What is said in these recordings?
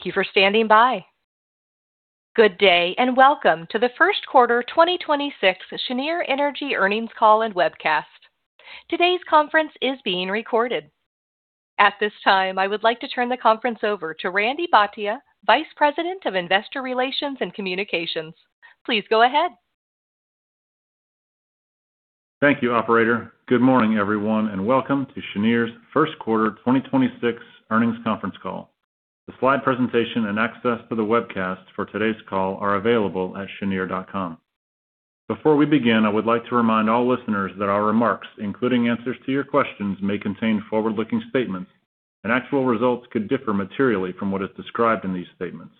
Thank you for standing by. Good day, and welcome to the first quarter 2026 Cheniere Energy earnings call and webcast. Today's conference is being recorded. At this time, I would like to turn the conference over to Randy Bhatia, Vice President of Investor Relations and Communications. Please go ahead. Thank you, operator. Good morning, everyone, and welcome to Cheniere's first quarter 2026 earnings conference call. The slide presentation and access to the webcast for today's call are available at cheniere.com. Before we begin, I would like to remind all listeners that our remarks, including answers to your questions, may contain forward-looking statements and actual results could differ materially from what is described in these statements.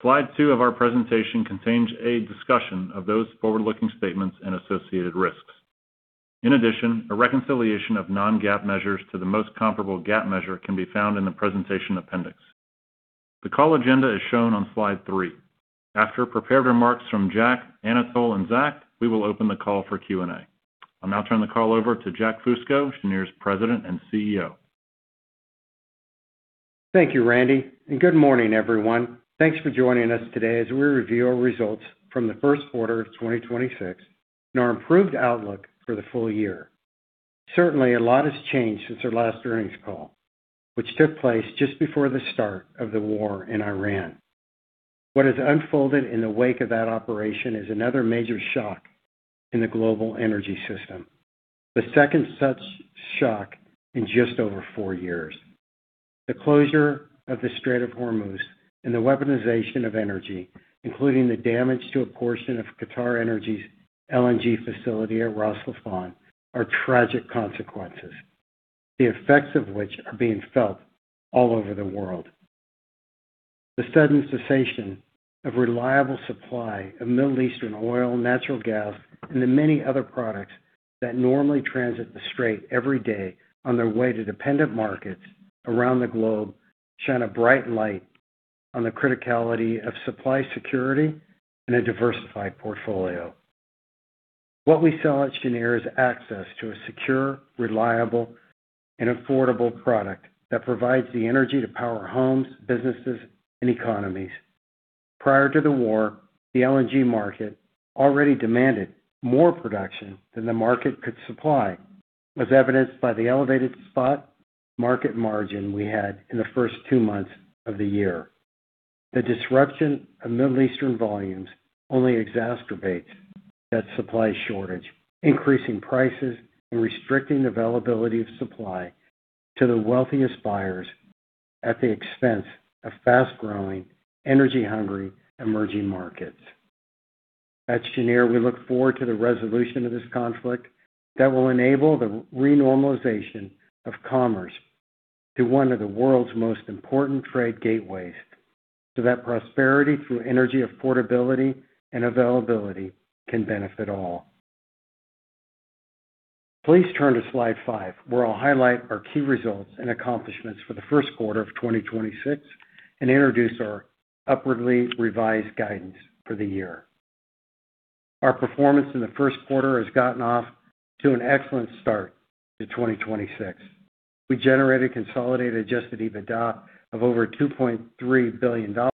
Slide two of our presentation contains a discussion of those forward-looking statements and associated risks. In addition, a reconciliation of non-GAAP measures to the most comparable GAAP measure can be found in the presentation appendix. The call agenda is shown on slide three. After prepared remarks from Jack, Anatol, and Zach, we will open the call for Q&A. I'll now turn the call over to Jack Fusco, Cheniere's President and CEO. Thank you, Randy, and good morning, everyone. Thanks for joining us today as we review our results from the first quarter of 2026 and our improved outlook for the full year. Certainly, a lot has changed since our last earnings call, which took place just before the start of the war in Iran. What has unfolded in the wake of that operation is another major shock in the global energy system, the second such shock in just over four years. The closure of the Strait of Hormuz and the weaponization of energy, including the damage to a portion of QatarEnergy's LNG facility at Ras Laffan, are tragic consequences, the effects of which are being felt all over the world. The sudden cessation of reliable supply of Middle Eastern oil, natural gas, and the many other products that normally transit the Strait every day on their way to dependent markets around the globe shine a bright light on the criticality of supply security in a diversified portfolio. What we sell at Cheniere is access to a secure, reliable, and affordable product that provides the energy to power homes, businesses, and economies. Prior to the war, the LNG market already demanded more production than the market could supply, as evidenced by the elevated spot market margin we had in the first two months of the year. The disruption of Middle Eastern volumes only exacerbates that supply shortage, increasing prices and restricting availability of supply to the wealthiest buyers at the expense of fast-growing, energy-hungry emerging markets. At Cheniere, we look forward to the resolution of this conflict that will enable the renormalization of commerce to one of the world's most important trade gateways so that prosperity through energy affordability and availability can benefit all. Please turn to slide five, where I'll highlight our key results and accomplishments for the first quarter of 2026 and introduce our upwardly revised guidance for the year. Our performance in the first quarter has gotten off to an excellent start to 2026. We generated consolidated adjusted EBITDA of over $2.3 billion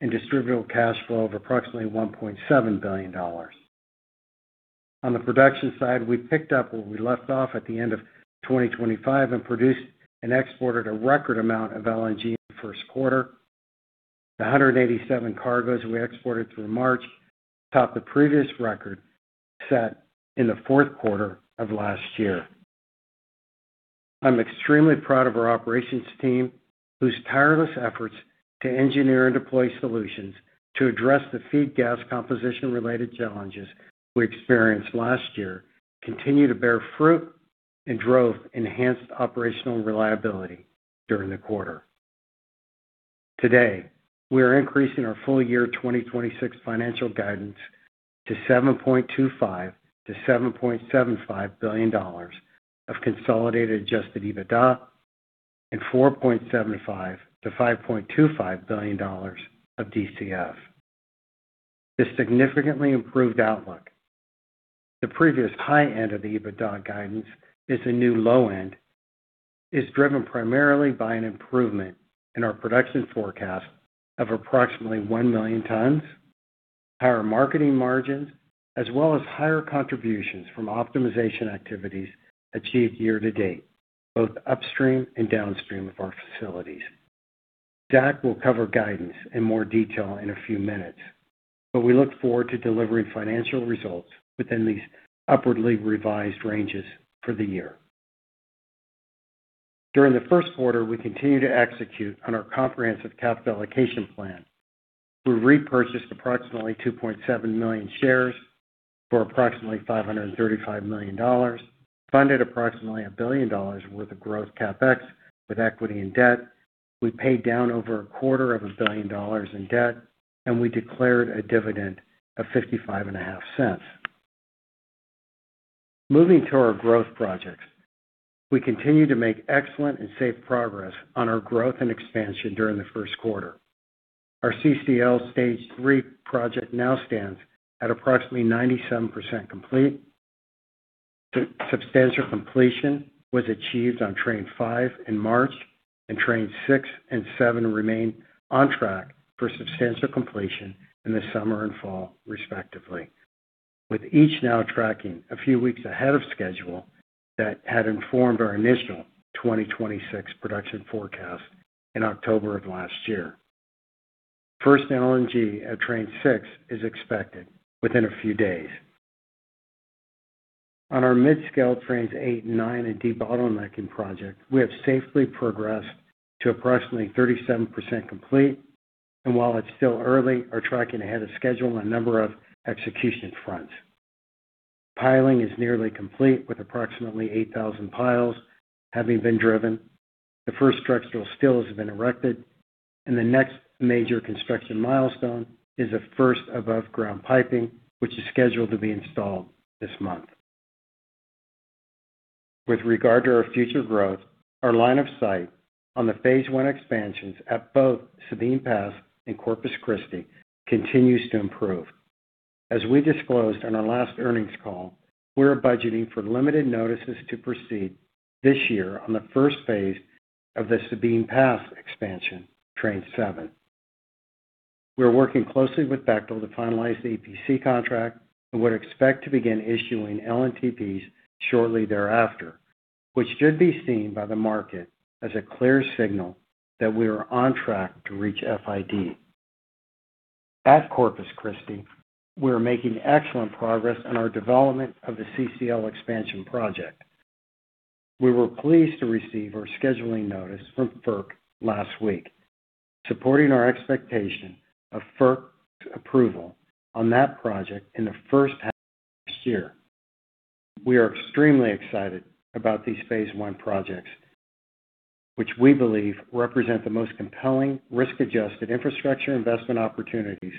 and distributable cash flow of approximately $1.7 billion. On the production side, we picked up where we left off at the end of 2025 and produced and exported a record amount of LNG in the first quarter. The 187 cargoes we exported through March topped the previous record set in the fourth quarter of last year. I'm extremely proud of our operations team, whose tireless efforts to engineer and deploy solutions to address the feed gas composition-related challenges we experienced last year continue to bear fruit and drove enhanced operational reliability during the quarter. Today, we are increasing our full-year 2026 financial guidance to $7.25 billion-$7.75 billion of consolidated adjusted EBITDA and $4.75 billion-$5.25 billion of DCF. This significantly improved outlook. The previous high end of the EBITDA guidance is the new low end is driven primarily by an improvement in our production forecast of approximately 1 million tons, higher marketing margins, as well as higher contributions from optimization activities achieved year to date, both upstream and downstream of our facilities. Zach will cover guidance in more detail in a few minutes, but we look forward to delivering financial results within these upwardly revised ranges for the year. During the first quarter, we continued to execute on our comprehensive capital allocation plan. We repurchased approximately 2.7 million shares for approximately $535 million, funded approximately $1 billion worth of growth CapEx with equity and debt. We paid down over a quarter of a billion dollars in debt, and we declared a dividend of $0.555. Moving to our growth projects. We continued to make excellent and safe progress on our growth and expansion during the first quarter. Our CCL Stage 3 project now stands at approximately 97% complete. Substantial completion was achieved on Train 5 in March, and Trains 6 and 7 remain on track for substantial completion in the summer and fall, respectively, with each now tracking a few weeks ahead of schedule that had informed our initial 2026 production forecast in October of last year. First LNG at Train 6 is expected within a few days. On our mid-scale Trains 8 and 9 and debottlenecking project, we have safely progressed to approximately 37% complete, and while it's still early, are tracking ahead of schedule on a number of execution fronts. Piling is nearly complete, with approximately 8,000 piles having been driven. The first structural steels have been erected, and the next major construction milestone is the first above-ground piping, which is scheduled to be installed this month. With regard to our future growth, our line of sight on the phase one expansions at both Sabine Pass and Corpus Christi continues to improve. As we disclosed on our last earnings call, we are budgeting for limited notices to proceed this year on the first phase of the Sabine Pass expansion, Train 7. We are working closely with Bechtel to finalize the EPC contract and would expect to begin issuing LNTPs shortly thereafter, which should be seen by the market as a clear signal that we are on track to reach FID. At Corpus Christi, we are making excellent progress on our development of the CCL expansion project. We were pleased to receive our scheduling notice from FERC last week, supporting our expectation of FERC approval on that project in the first half of next year. We are extremely excited about these phase I projects, which we believe represent the most compelling risk-adjusted infrastructure investment opportunities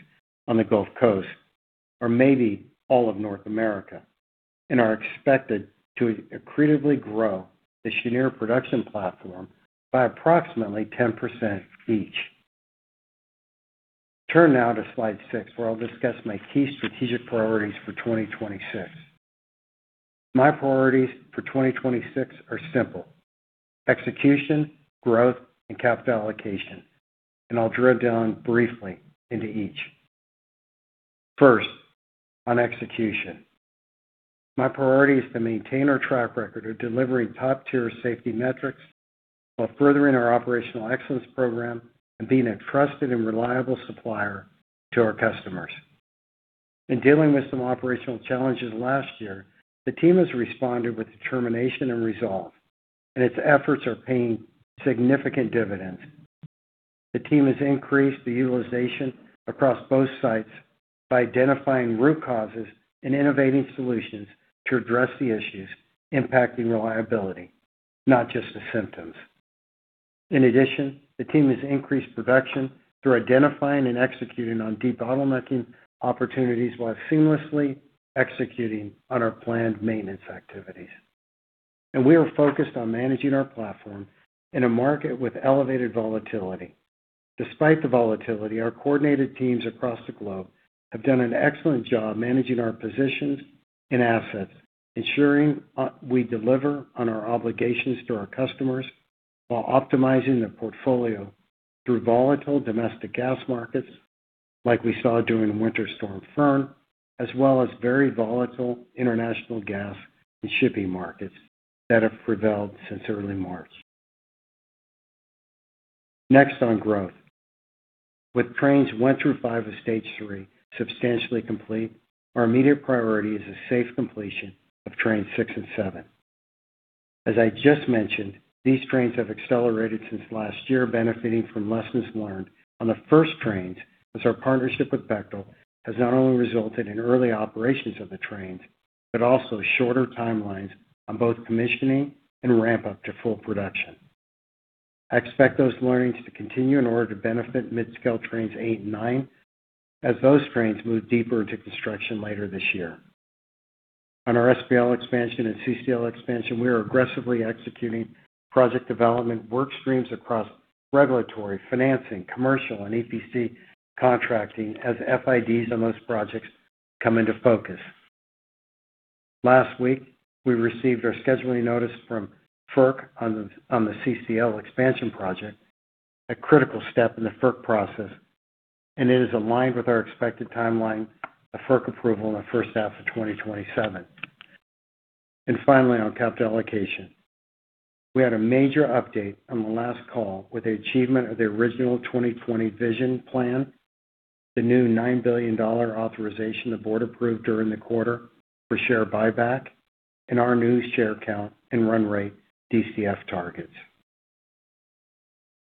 on the Gulf Coast, or maybe all of North America, and are expected to accretively grow the Cheniere production platform by approximately 10% each. Turn now to slide six, where I'll discuss my key strategic priorities for 2026. My priorities for 2026 are simple, execution, growth, and capital allocation. I'll drill down briefly into each. First, on execution. My priority is to maintain our track record of delivering top-tier safety metrics while furthering our operational excellence program and being a trusted and reliable supplier to our customers. In dealing with some operational challenges last year, the team has responded with determination and resolve, and its efforts are paying significant dividends. The team has increased the utilization across both sites by identifying root causes and innovating solutions to address the issues impacting reliability, not just the symptoms. In addition, the team has increased production through identifying and executing on debottlenecking opportunities while seamlessly executing on our planned maintenance activities. We are focused on managing our platform in a market with elevated volatility. Despite the volatility, our coordinated teams across the globe have done an excellent job managing our positions and assets, ensuring we deliver on our obligations to our customers while optimizing the portfolio through volatile domestic gas markets like we saw during Winter Storm Finn, as well as very volatile international gas and shipping markets that have prevailed since early March. Next on growth. With Trains 1 through five of stage 3 substantially complete, our immediate priority is a safe completion of Trains 6 and 7. As I just mentioned, these trains have accelerated since last year, benefiting from lessons learned on the first trains as our partnership with Bechtel has not only resulted in early operations of the trains, but also shorter timelines on both commissioning and ramp up to full production. I expect those learnings to continue in order to benefit mid-scale Trains 8 and 9 as those trains move deeper into construction later this year. On our SPL expansion and CCL expansion, we are aggressively executing project development work streams across regulatory, financing, commercial, and EPC contracting as FIDs on those projects come into focus. Last week, we received our scheduling notice from FERC on the CCL expansion project, a critical step in the FERC process, and it is aligned with our expected timeline of FERC approval in the first half of 2027. Finally, on capital allocation. We had a major update on the last call with the achievement of the original 2020 Vision Plan, the new $9 billion authorization the board approved during the quarter for share buyback, and our new share count and run rate DCF targets.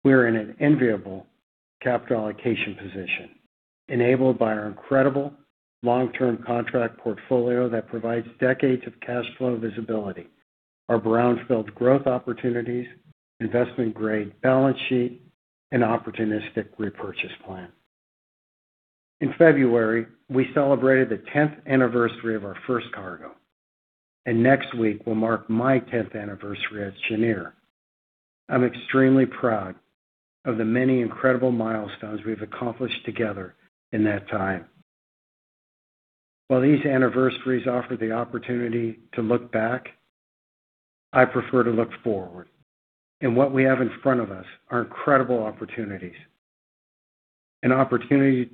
We are in an enviable capital allocation position, enabled by our incredible long-term contract portfolio that provides decades of cash flow visibility, our brownfield growth opportunities, investment-grade balance sheet, and opportunistic repurchase plan. In February, we celebrated the 10th anniversary of our first cargo, and next week will mark my 10th anniversary at Cheniere. I'm extremely proud of the many incredible milestones we've accomplished together in that time. While these anniversaries offer the opportunity to look back, I prefer to look forward. What we have in front of us are incredible opportunities. An opportunity to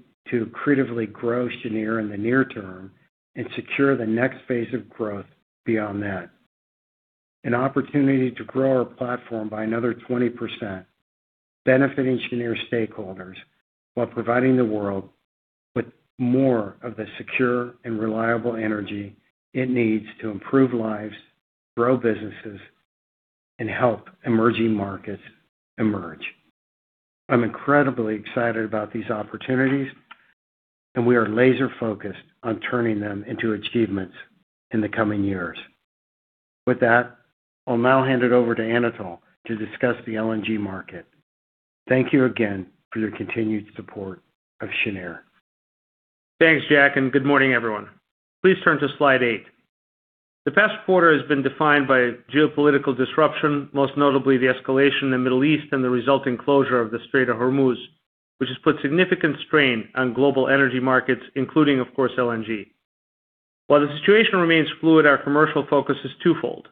creatively grow Cheniere in the near term and secure the next phase of growth beyond that. An opportunity to grow our platform by another 20%, benefiting Cheniere stakeholders while providing the world with more of the secure and reliable energy it needs to improve lives, grow businesses, and help emerging markets emerge. I'm incredibly excited about these opportunities, and we are laser-focused on turning them into achievements in the coming years. With that, I'll now hand it over to Anatol to discuss the LNG market. Thank you again for your continued support of Cheniere. Thanks, Jack, and good morning, everyone. Please turn to slide eight. The past quarter has been defined by geopolitical disruption, most notably the escalation in the Middle East and the resulting closure of the Strait of Hormuz, which has put significant strain on global energy markets, including, of course, LNG. While the situation remains fluid, our commercial focus is twofold.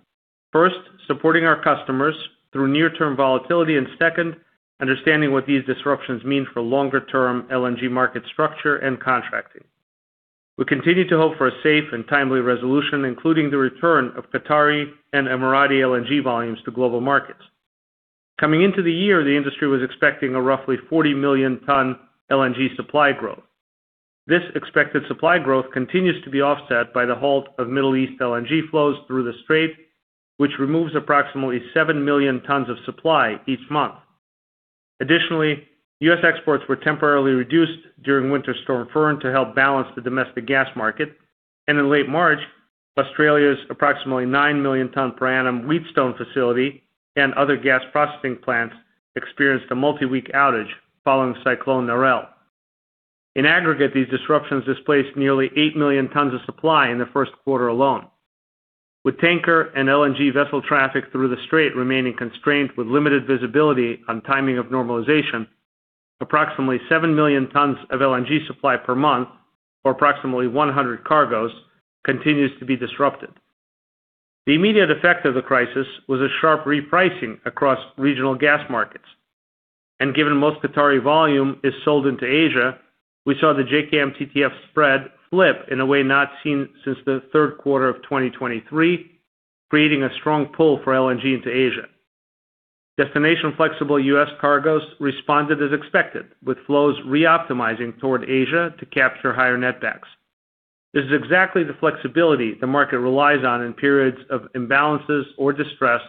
First, supporting our customers through near-term volatility. Second, understanding what these disruptions mean for longer-term LNG market structure and contracting. We continue to hope for a safe and timely resolution, including the return of Qatari and Emirati LNG volumes to global markets. Coming into the year, the industry was expecting a roughly 40 million tons LNG supply growth. This expected supply growth continues to be offset by the halt of Middle East LNG flows through the Strait, which removes approximately 7 million tons of supply each month. Additionally, U.S. exports were temporarily reduced during Winter Storm Finn to help balance the domestic gas market. In late March, Australia's approximately 9 million MTPA Wheatstone facility and other gas processing plants experienced a multi-week outage following Cyclone Neville. In aggregate, these disruptions displaced nearly 8 million tons of supply in the first quarter alone. With tanker and LNG vessel traffic through the Strait remaining constrained with limited visibility on timing of normalization, approximately 7 million tons of LNG supply per month, or approximately 100 cargos, continues to be disrupted. The immediate effect of the crisis was a sharp repricing across regional gas markets. Given most Qatari volume is sold into Asia, we saw the JKM TTF spread flip in a way not seen since the third quarter of 2023, creating a strong pull for LNG into Asia. Destination-flexible U.S. cargos responded as expected, with flows re-optimizing toward Asia to capture higher netbacks. This is exactly the flexibility the market relies on in periods of imbalances or distress,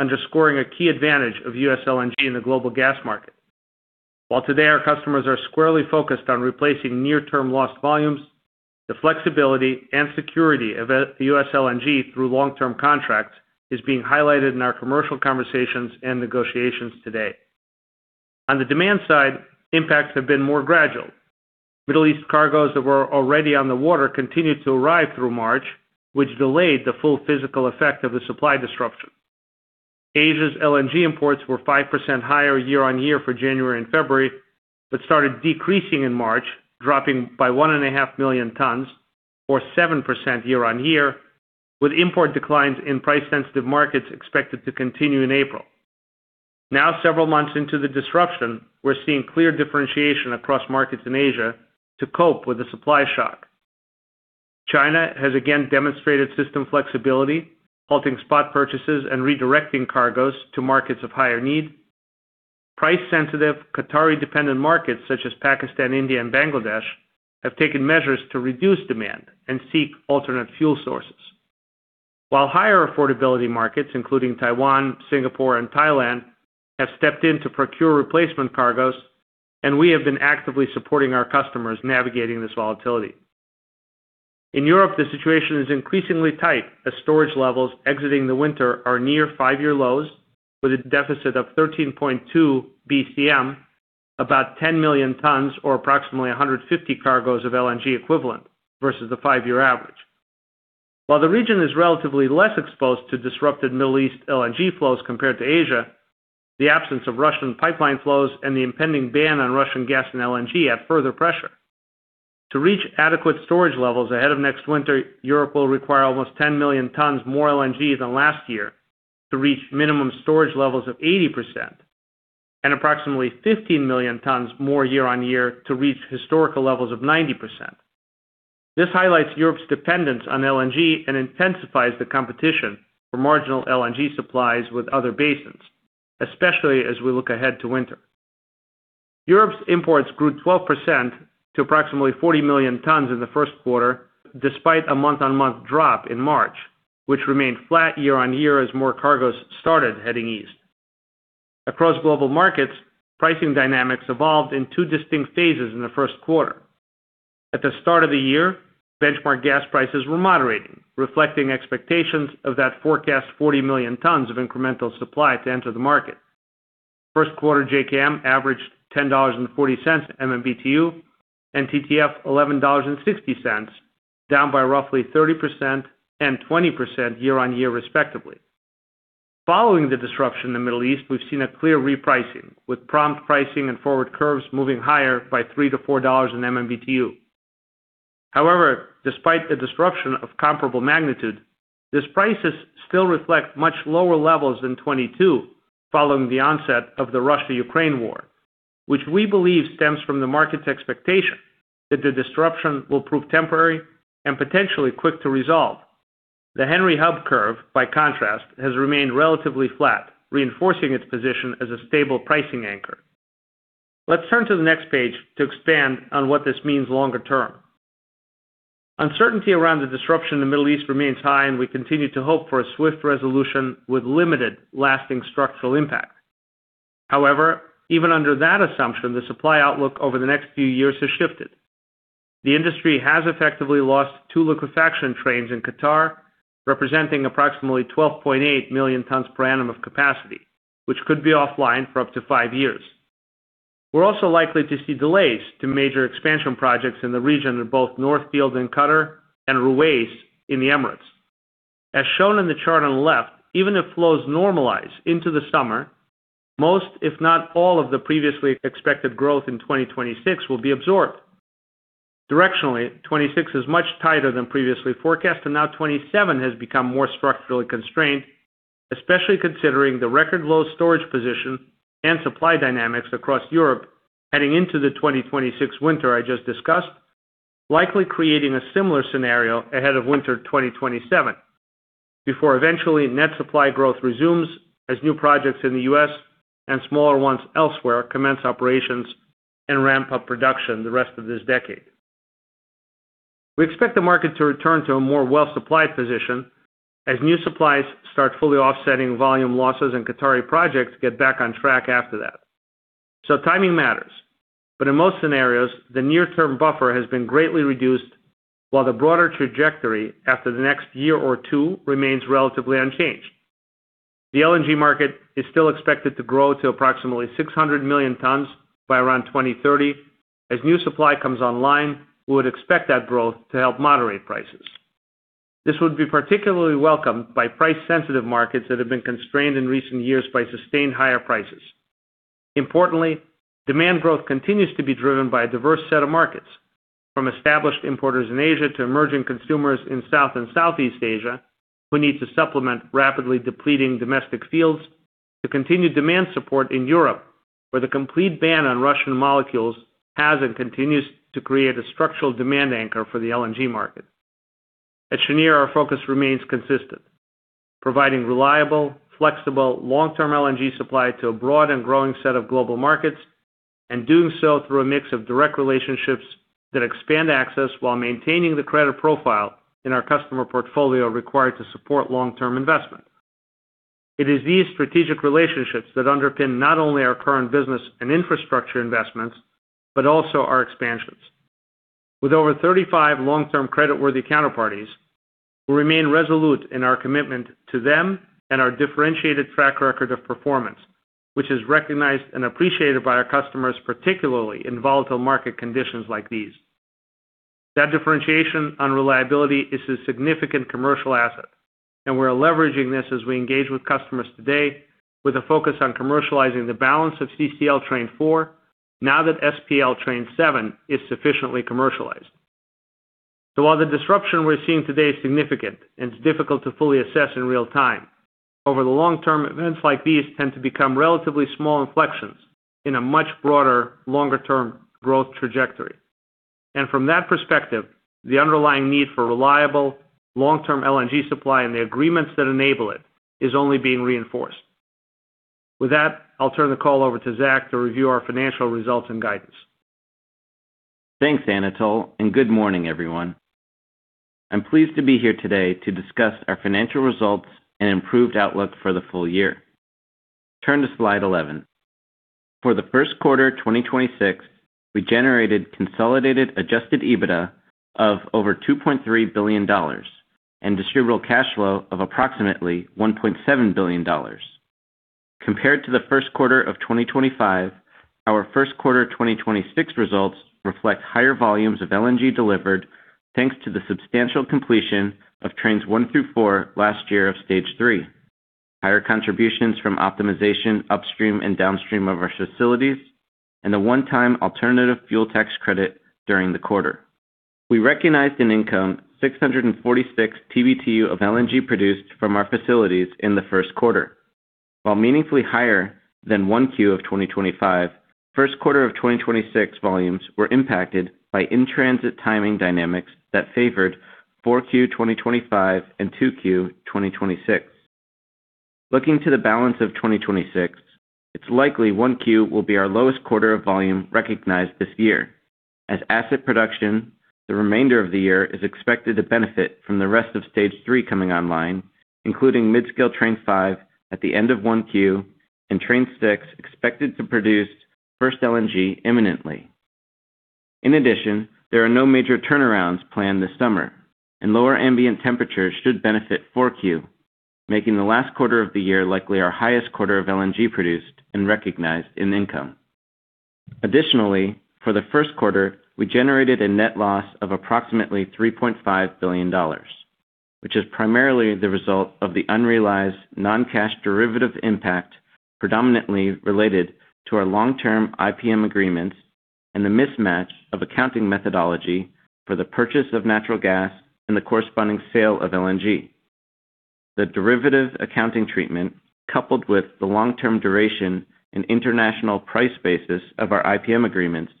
underscoring a key advantage of U.S. LNG in the global gas market. While today our customers are squarely focused on replacing near-term lost volumes, the flexibility and security of U.S. LNG through long-term contracts is being highlighted in our commercial conversations and negotiations today. On the demand side, impacts have been more gradual. Middle East cargos that were already on the water continued to arrive through March, which delayed the full physical effect of the supply disruption. Asia's LNG imports were 5% higher year-over-year for January and February, but started decreasing in March, dropping by 1.5 million tons or 7% year-over-year, with import declines in price-sensitive markets expected to continue in April. Now several months into the disruption, we're seeing clear differentiation across markets in Asia to cope with the supply shock. China has again demonstrated system flexibility, halting spot purchases and redirecting cargos to markets of higher need. Price-sensitive Qatari-dependent markets such as Pakistan, India, and Bangladesh have taken measures to reduce demand and seek alternate fuel sources. While higher affordability markets, including Taiwan, Singapore, and Thailand, have stepped in to procure replacement cargos, and we have been actively supporting our customers navigating this volatility. In Europe, the situation is increasingly tight as storage levels exiting the winter are near five-year lows with a deficit of 13.2 BCM, about 10 million tons or approximately 150 cargos of LNG equivalent versus the five-year average. While the region is relatively less exposed to disrupted Middle East LNG flows compared to Asia, the absence of Russian pipeline flows and the impending ban on Russian gas and LNG add further pressure. To reach adequate storage levels ahead of next winter, Europe will require almost 10 million tons more LNG than last year to reach minimum storage levels of 80%, and approximately 15 million tons more year-on-year to reach historical levels of 90%. This highlights Europe's dependence on LNG and intensifies the competition for marginal LNG supplies with other basins, especially as we look ahead to winter. Europe's imports grew 12% to approximately 40 million tons in the first quarter, despite a month-on-month drop in March, which remained flat year-on-year as more cargos started heading east. Across global markets, pricing dynamics evolved in two distinct phases in the first quarter. At the start of the year, benchmark gas prices were moderating, reflecting expectations of that forecast 40 million tons of incremental supply to enter the market. First quarter JKM averaged $10.40 MMBtu, and TTF $11.60, down by roughly 30% and 20% year-on-year respectively. Following the disruption in the Middle East, we've seen a clear repricing, with prompt pricing and forward curves moving higher by $3-$4 in MMBtu. Despite the disruption of comparable magnitude, these prices still reflect much lower levels than 2022. Following the onset of the Russia-Ukraine War, which we believe stems from the market's expectation that the disruption will prove temporary and potentially quick to resolve. The Henry Hub curve, by contrast, has remained relatively flat, reinforcing its position as a stable pricing anchor. Let's turn to the next page to expand on what this means longer term. Uncertainty around the disruption in the Middle East remains high, and we continue to hope for a swift resolution with limited lasting structural impact. However, even under that assumption, the supply outlook over the next few years has shifted. The industry has effectively lost two liquefaction trains in Qatar, representing approximately 12.8 million tons per annum of capacity, which could be offline for up to five years. We're also likely to see delays to major expansion projects in the region of both North Field in Qatar and Ruwais in the Emirates. As shown in the chart on the left, even if flows normalize into the summer, most, if not all, of the previously expected growth in 2026 will be absorbed. Directionally, 2026 is much tighter than previously forecast, and now 2027 has become more structurally constrained, especially considering the record low storage position and supply dynamics across Europe heading into the 2026 winter. I just discussed, likely creating a similar scenario ahead of winter 2027, before eventually net supply growth resumes as new projects in the U.S. and smaller ones elsewhere commence operations and ramp up production the rest of this decade. We expect the market to return to a more well-supplied position as new supplies start fully offsetting volume losses and Qatari projects get back on track after that. Timing matters. In most scenarios, the near-term buffer has been greatly reduced, while the broader trajectory after the next year or two remains relatively unchanged. The LNG market is still expected to grow to approximately 600 million tons by around 2030. As new supply comes online, we would expect that growth to help moderate prices. This would be particularly welcomed by price-sensitive markets that have been constrained in recent years by sustained higher prices. Importantly, demand growth continues to be driven by a diverse set of markets, from established importers in Asia to emerging consumers in South and Southeast Asia who need to supplement rapidly depleting domestic fields to continued demand support in Europe, where the complete ban on Russian molecules has and continues to create a structural demand anchor for the LNG market. At Cheniere, our focus remains consistent: providing reliable, flexible, long-term LNG supply to a broad and growing set of global markets, and doing so through a mix of direct relationships that expand access while maintaining the credit profile in our customer portfolio required to support long-term investment. It is these strategic relationships that underpin not only our current business and infrastructure investments, but also our expansions. With over 35 long-term creditworthy counterparties, we remain resolute in our commitment to them and our differentiated track record of performance, which is recognized and appreciated by our customers, particularly in volatile market conditions like these. That differentiation on reliability is a significant commercial asset, and we're leveraging this as we engage with customers today with a focus on commercializing the balance of CCL Train 4 now that SPL Train 7 is sufficiently commercialized. While the disruption we're seeing today is significant and it's difficult to fully assess in real time, over the long term, events like these tend to become relatively small inflections in a much broader, longer-term growth trajectory. From that perspective, the underlying need for reliable, long-term LNG supply and the agreements that enable it is only being reinforced. With that, I'll turn the call over to Zach to review our financial results and guidance. Thanks, Anatol, and good morning, everyone. I'm pleased to be here today to discuss our financial results and improved outlook for the full year. Turn to slide 11. For the first quarter 2026, we generated consolidated adjusted EBITDA of over $2.3 billion and distributable cash flow of approximately $1.7 billion. Compared to the first quarter of 2025, our first quarter 2026 results reflect higher volumes of LNG delivered thanks to the substantial completion of Trains 1 through four last year of Stage 3, higher contributions from optimization upstream and downstream of our facilities, and the one-time alternative fuel tax credit during the quarter. We recognized in income 646 TBtu of LNG produced from our facilities in the first quarter. While meaningfully higher than 1Q of 2025, first quarter of 2026 volumes were impacted by in-transit timing dynamics that favored 4Q 2025 and 2Q 2026. Looking to the balance of 2026, it's likely 1Q will be our lowest quarter of volume recognized this year as asset production the remainder of the year is expected to benefit from the rest of Stage 3 coming online, including mid-scale Train 5 at the end of 1Q and Train 6 expected to produce first LNG imminently. In addition, there are no major turnarounds planned this summer, and lower ambient temperatures should benefit 4Q, making the last quarter of the year likely our highest quarter of LNG produced and recognized in income. Additionally, for the first quarter, we generated a net loss of approximately $3.5 billion, which is primarily the result of the unrealized non-cash derivative impact predominantly related to our long-term IPM agreements and the mismatch of accounting methodology for the purchase of natural gas and the corresponding sale of LNG. The derivative accounting treatment, coupled with the long-term duration and international price basis of our IPM agreements,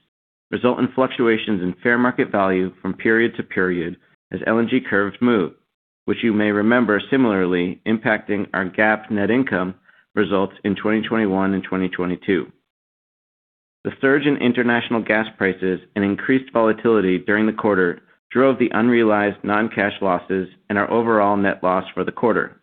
result in fluctuations in fair market value from period to period as LNG curves move, which you may remember similarly impacting our GAAP net income results in 2021 and 2022. The surge in international gas prices and increased volatility during the quarter drove the unrealized non-cash losses and our overall net loss for the quarter.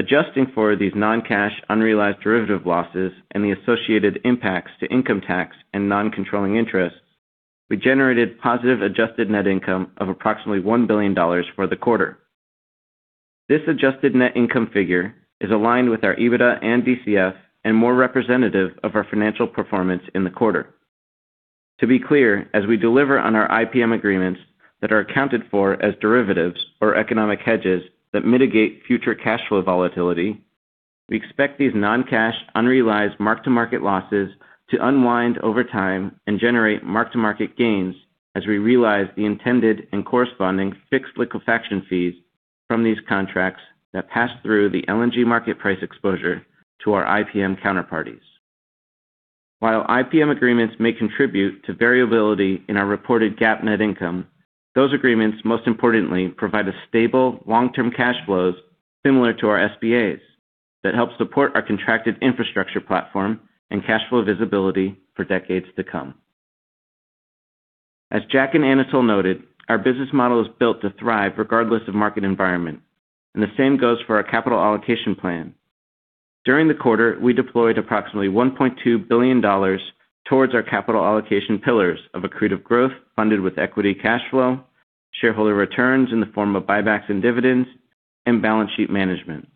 Adjusting for these non-cash, unrealized derivative losses and the associated impacts to income tax and non-controlling interest, we generated positive adjusted net income of approximately $1 billion for the quarter. This adjusted net income figure is aligned with our EBITDA and DCF and more representative of our financial performance in the quarter. To be clear, as we deliver on our IPM agreements that are accounted for as derivatives or economic hedges that mitigate future cash flow volatility. We expect these non-cash, unrealized mark-to-market losses to unwind over time and generate mark-to-market gains as we realize the intended and corresponding fixed liquefaction fees from these contracts that pass through the LNG market price exposure to our IPM counterparties. While IPM agreements may contribute to variability in our reported GAAP net income, those agreements most importantly provide a stable, long-term cash flows similar to our SPAs that help support our contracted infrastructure platform and cash flow visibility for decades to come. As Jack and Anatol noted, our business model is built to thrive regardless of market environment, and the same goes for our capital allocation plan. During the quarter, we deployed approximately $1.2 billion towards our capital allocation pillars of accretive growth funded with equity cash flow, shareholder returns in the form of buybacks and dividends, and balance sheet management.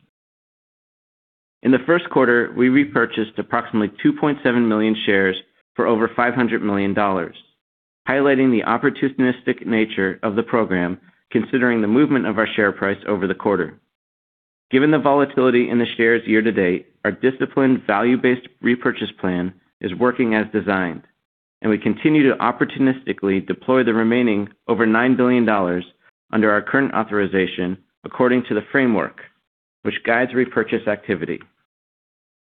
In the first quarter, we repurchased approximately 2.7 million shares for over $500 million, highlighting the opportunistic nature of the program considering the movement of our share price over the quarter. Given the volatility in the shares year-to-date, our disciplined value-based repurchase plan is working as designed, and we continue to opportunistically deploy the remaining over $9 billion under our current authorization. According to the framework, which guides repurchase activity,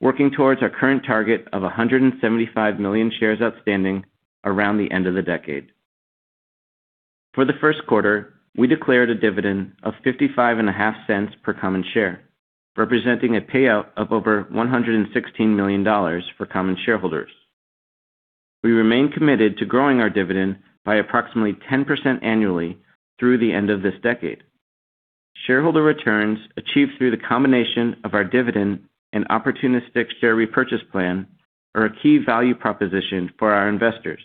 working towards our current target of 175 million shares outstanding around the end of the decade. For the first quarter, we declared a dividend of $0.555 per common share, representing a payout of over $116 million for common shareholders. We remain committed to growing our dividend by approximately 10% annually through the end of this decade. Shareholder returns achieved through the combination of our dividend and opportunistic share repurchase plan are a key value proposition for our investors,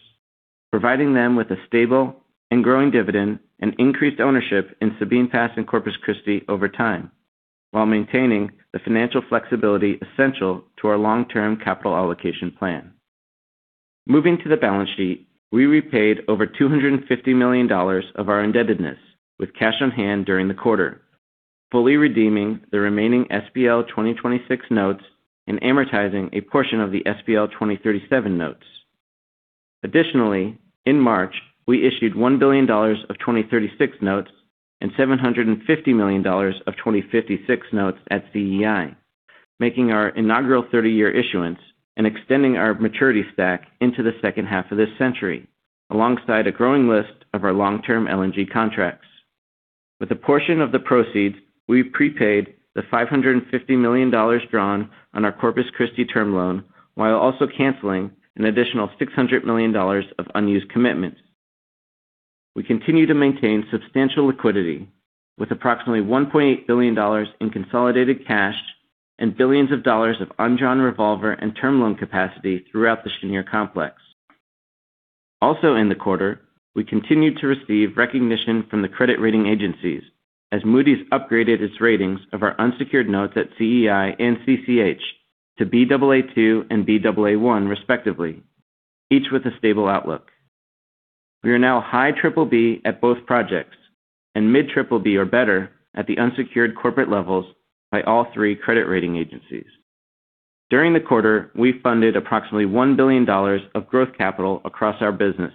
providing them with a stable and growing dividend and increased ownership in Sabine Pass and Corpus Christi over time. While maintaining the financial flexibility essential to our long-term capital allocation plan. Moving to the balance sheet, we repaid over $250 million of our indebtedness with cash on hand during the quarter, fully redeeming the remaining SPL 2026 notes and amortizing a portion of the SPL 2037 notes. Additionally, in March, we issued $1 billion of 2036 notes and $750 million of 2056 notes at CEI, making our inaugural 30-year issuance and extending our maturity stack into the second half of this century, alongside a growing list of our long-term LNG contracts. With a portion of the proceeds, we prepaid the $550 million drawn on our Corpus Christi term loan, while also canceling an additional $600 million of unused commitments. We continue to maintain substantial liquidity with approximately $1.8 billion in consolidated cash and billions of dollars of undrawn revolver and term loan capacity throughout the Cheniere complex. In the quarter, we continued to receive recognition from the credit rating agencies as Moody's upgraded its ratings of our unsecured notes at CEI and CCH to Baa2 and Baa1, respectively, each with a stable outlook. We are now high triple B at both projects and mid triple B or better at the unsecured corporate levels by all three credit rating agencies. During the quarter, we funded approximately $1 billion of growth capital across our business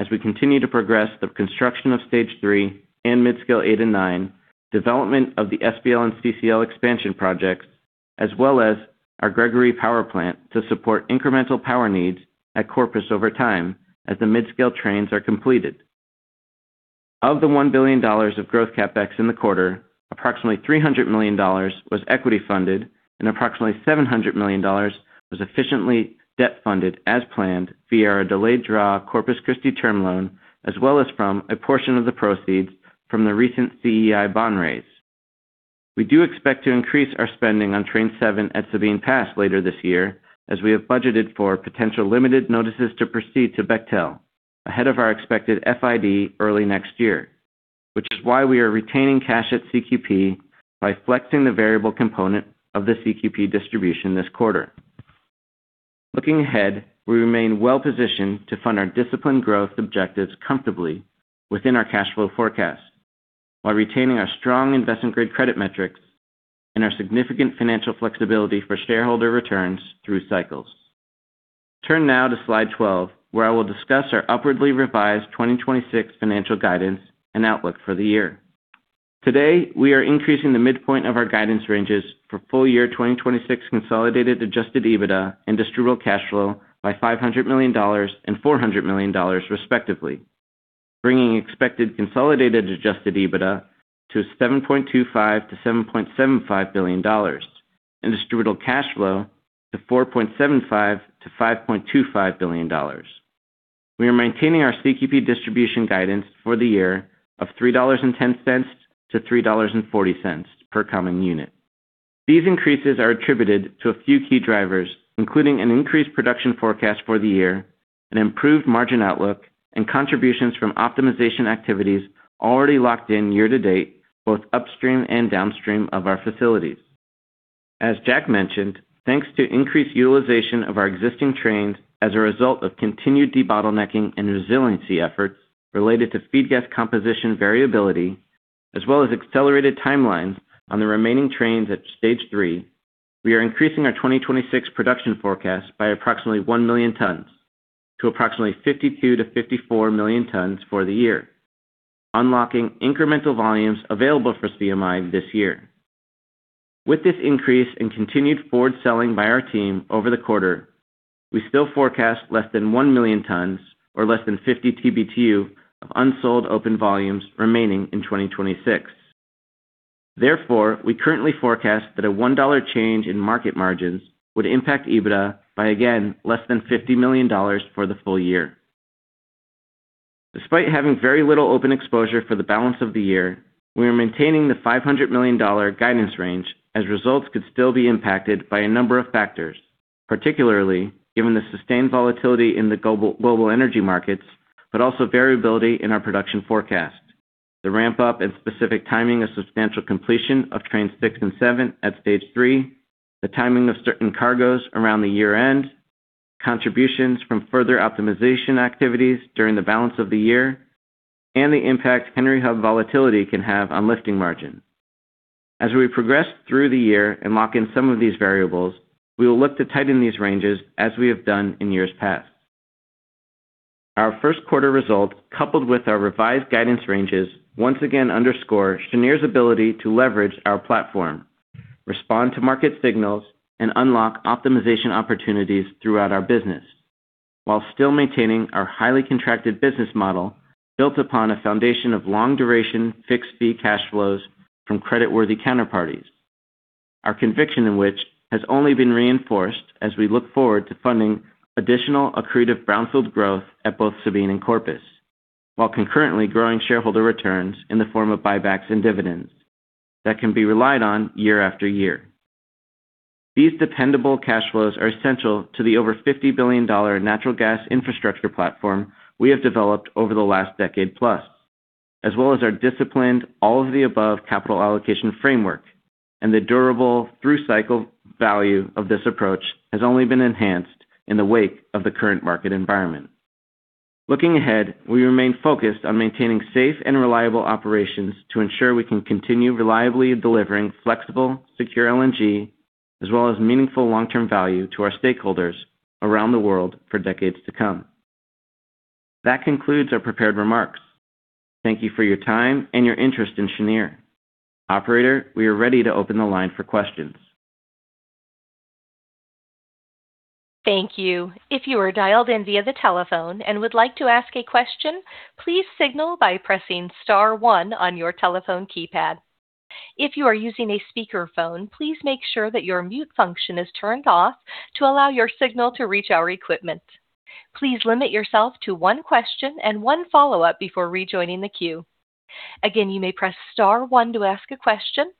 as we continue to progress the construction of stage 3 and mid-scale 8 and 9, development of the SPL and CCL expansion projects, as well as our Gregory Power plant to support incremental power needs at Corpus over time as the mid-scale trains are completed. Of the $1 billion of growth CapEx in the quarter, approximately $300 million was equity funded and approximately $700 million was efficiently debt funded as planned via our delayed draw Corpus Christi term loan, as well as from a portion of the proceeds from the recent CEI bond raise. We do expect to increase our spending on Train 7 at Sabine Pass later this year, as we have budgeted for potential limited notices to proceed to Bechtel ahead of our expected FID early next year, which is why we are retaining cash at CQP by flexing the variable component of the CQP distribution this quarter. Looking ahead, we remain well-positioned to fund our disciplined growth objectives comfortably within our cash flow forecast, while retaining our strong investment-grade credit metrics and our significant financial flexibility for shareholder returns through cycles. Turn now to slide 12, where I will discuss our upwardly revised 2026 financial guidance and outlook for the year. Today, we are increasing the midpoint of our guidance ranges for full year 2026 consolidated adjusted EBITDA and distributable cash flow by $500 million and $400 million, respectively, bringing expected consolidated adjusted EBITDA to $7.25 billion-$7.75 billion and distributable cash flow to $4.75 billion-$5.25 billion. We are maintaining our CQP distribution guidance for the year of $3.10-$3.40 per common unit. These increases are attributed to a few key drivers, including an increased production forecast for the year, an improved margin outlook, and contributions from optimization activities already locked in year to date, both upstream and downstream of our facilities. As Jack mentioned, thanks to increased utilization of our existing trains as a result of continued debottlenecking and resiliency efforts related to feed gas composition variability, as well as accelerated timelines on the remaining trains at Stage 3, we are increasing our 2026 production forecast by approximately 1 million tons to approximately 52 million-54 million tons for the year, unlocking incremental volumes available for CMI this year. With this increase in continued forward selling by our team over the quarter, we still forecast less than 1 million tons or less than 50 TBtu of unsold open volumes remaining in 2026. Therefore, we currently forecast that a $1 change in market margins would impact EBITDA by, again, less than $50 million for the full year. Despite having very little open exposure for the balance of the year, we are maintaining the $500 million guidance range as results could still be impacted by a number of factors, particularly given the sustained volatility in the global energy markets, but also variability in our production forecast. The ramp up and specific timing of substantial completion of trains 6 and 7 at Stage 3, the timing of certain cargoes around the year-end, contributions from further optimization activities during the balance of the year, and the impact Henry Hub volatility can have on lifting margins. As we progress through the year and lock in some of these variables, we will look to tighten these ranges as we have done in years past. Our first quarter results, coupled with our revised guidance ranges, once again underscore Cheniere's ability to leverage our platform, respond to market signals, and unlock optimization opportunities throughout our business, while still maintaining our highly contracted business model built upon a foundation of long-duration, fixed-fee cash flows from creditworthy counterparties. Our conviction in which has only been reinforced as we look forward to funding additional accretive brownfield growth at both Sabine and Corpus. While concurrently growing shareholder returns in the form of buybacks and dividends that can be relied on year-after-year. These dependable cash flows are essential to the over $50 billion natural gas infrastructure platform we have developed over the last decade plus, as well as our disciplined all-of-the-above capital allocation framework, and the durable through-cycle value of this approach has only been enhanced in the wake of the current market environment. Looking ahead, we remain focused on maintaining safe and reliable operations to ensure we can continue reliably delivering flexible, secure LNG, as well as meaningful long-term value to our stakeholders around the world for decades to come. That concludes our prepared remarks. Thank you for your time and your interest in Cheniere. Operator, we are ready to open the line for questions. Thank you. If you are dialed in via the telephone and would like to ask a question, please signal by pressing star one on your telephone keypad. If you are using a speakerphone, please make sure that your mute function is turned off to allow your signal to reach our equipment. Please limit yourself to one question and one follow-up before rejoining the queue. Again, you may press star one to ask a question.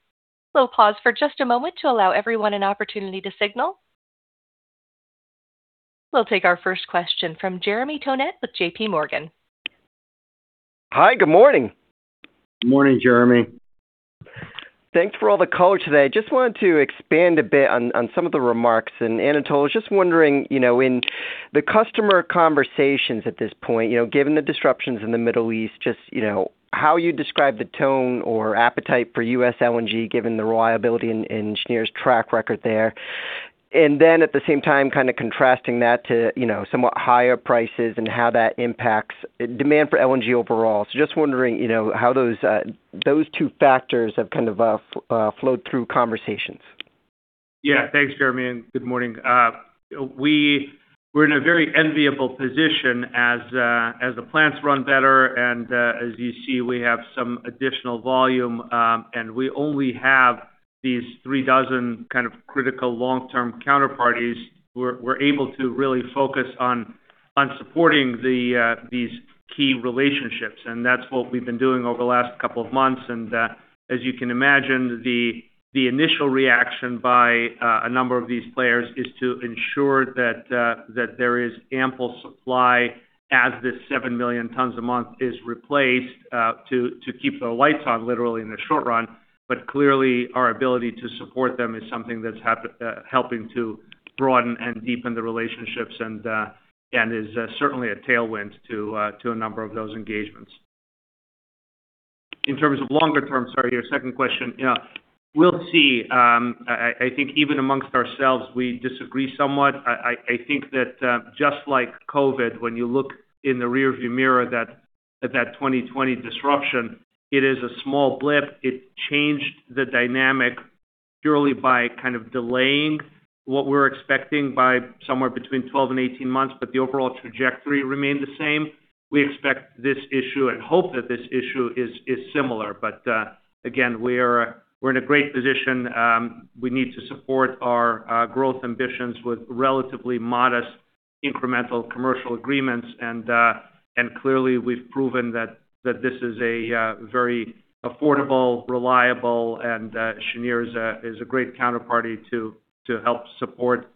We'll pause for just a moment to allow everyone an opportunity to signal. We'll take our first question from Jeremy Tonet with JPMorgan. Hi. Good morning. Morning, Jeremy. Thanks for all the color today. Just wanted to expand a bit on some of the remarks. Anatol, just wondering, you know, in the customer conversations at this point, you know, given the disruptions in the Middle East, just, you know, how you describe the tone or appetite for U.S. LNG, given the reliability in Cheniere's track record there. At the same time, kind of contrasting that to, you know, somewhat higher prices and how that impacts demand for LNG overall. Just wondering, you know, how those two factors have kind of flowed through conversations. Yeah. Thanks, Jeremy, and good morning. We're in a very enviable position as the plants run better, as you see, we have some additional volume, we only have these 3 dozen kind of critical long-term counterparties. We're able to really focus on supporting the these key relationships, that's what we've been doing over the last couple of months. As you can imagine, the initial reaction by a number of these players is to ensure that there is ample supply as this 7 million tons a month is replaced to keep the lights on literally in the short run. Clearly, our ability to support them is something that's helping to broaden and deepen the relationships, and is certainly a tailwind to a number of those engagements. In terms of longer term, sorry, your second question. Yeah. We'll see. I think even amongst ourselves, we disagree somewhat. I think that just like COVID, when you look in the rearview mirror that, at that 2020 disruption, it is a small blip. It changed the dynamic purely by kind of delaying what we're expecting by somewhere between 12 and 18 months, the overall trajectory remained the same. We expect this issue and hope that this issue is similar. Again, we're in a great position. We need to support our growth ambitions with relatively modest incremental commercial agreements, and clearly we've proven that this is a very affordable, reliable, and Cheniere is a great counterparty to help support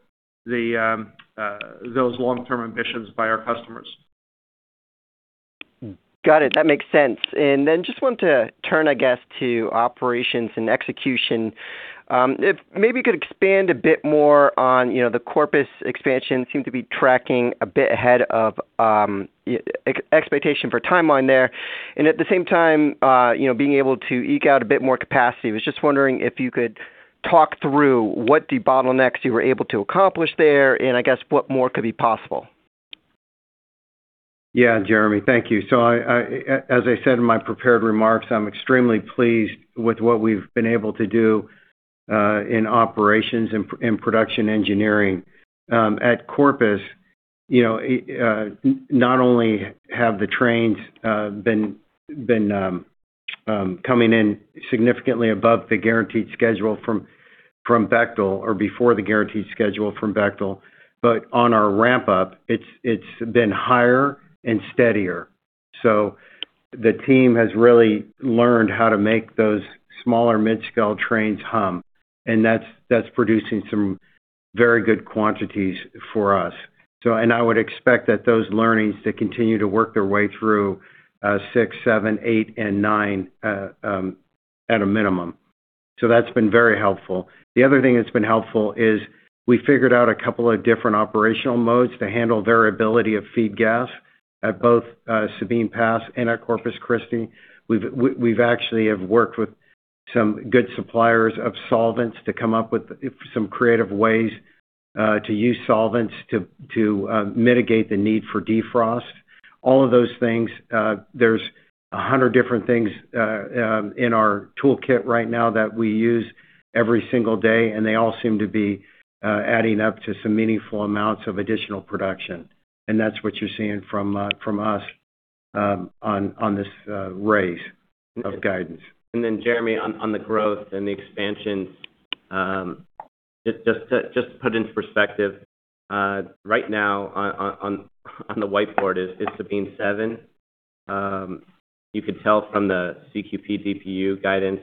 those long-term ambitions by our customers. Got it. That makes sense. Just want to turn to operations and execution. If maybe you could expand a bit more on, you know, the Corpus expansion seemed to be tracking a bit ahead of expectation for timeline there. At the same time, you know, being able to eke out a bit more capacity. Was just wondering if you could talk through what the bottlenecks you were able to accomplish there, and what more could be possible. Yeah, Jeremy, thank you. As I said in my prepared remarks, I'm extremely pleased with what we've been able to do in operations and production engineering. At Corpus, you know, not only have the trains been coming in significantly above the guaranteed schedule from Bechtel or before the guaranteed schedule from Bechtel. On our ramp-up, it's been higher and steadier. The team has really learned how to make those smaller mid-scale trains hum, and that's producing some very good quantities for us. I would expect that those learnings to continue to work their way through six, seven, eight, and nine at a minimum. That's been very helpful. The other thing that's been helpful is we figured out two different operational modes to handle variability of feed gas at both Sabine Pass and at Corpus Christi. We've actually worked with some good suppliers of solvents to come up with some creative ways to use solvents to mitigate the need for defrost. All of those things, there's 100 different things in our toolkit right now that we use every single day, and they all seem to be adding up to some meaningful amounts of additional production. That's what you're seeing from from us on on this raise of guidance. Jeremy on the growth and the expansion, just to put into perspective, right now on the whiteboard is SPL Train 7. You could tell from the CQP DPU guidance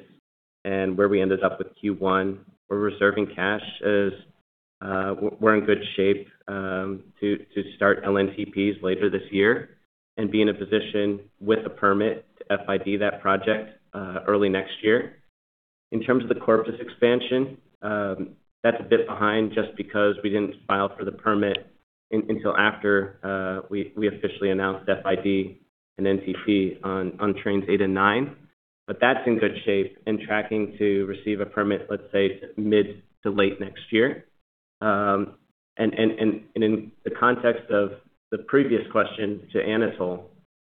and where we ended up with Q1, we're reserving cash as we're in good shape to start LNTPs later this year and be in a position with a permit to FID that project early next year. In terms of the Corpus expansion, that's a bit behind just because we didn't file for the permit until after we officially announced FID and NTP on Trains 8 and 9. That's in good shape and tracking to receive a permit, let's say, mid to late next year. In the context of the previous question to Anatol Feygin,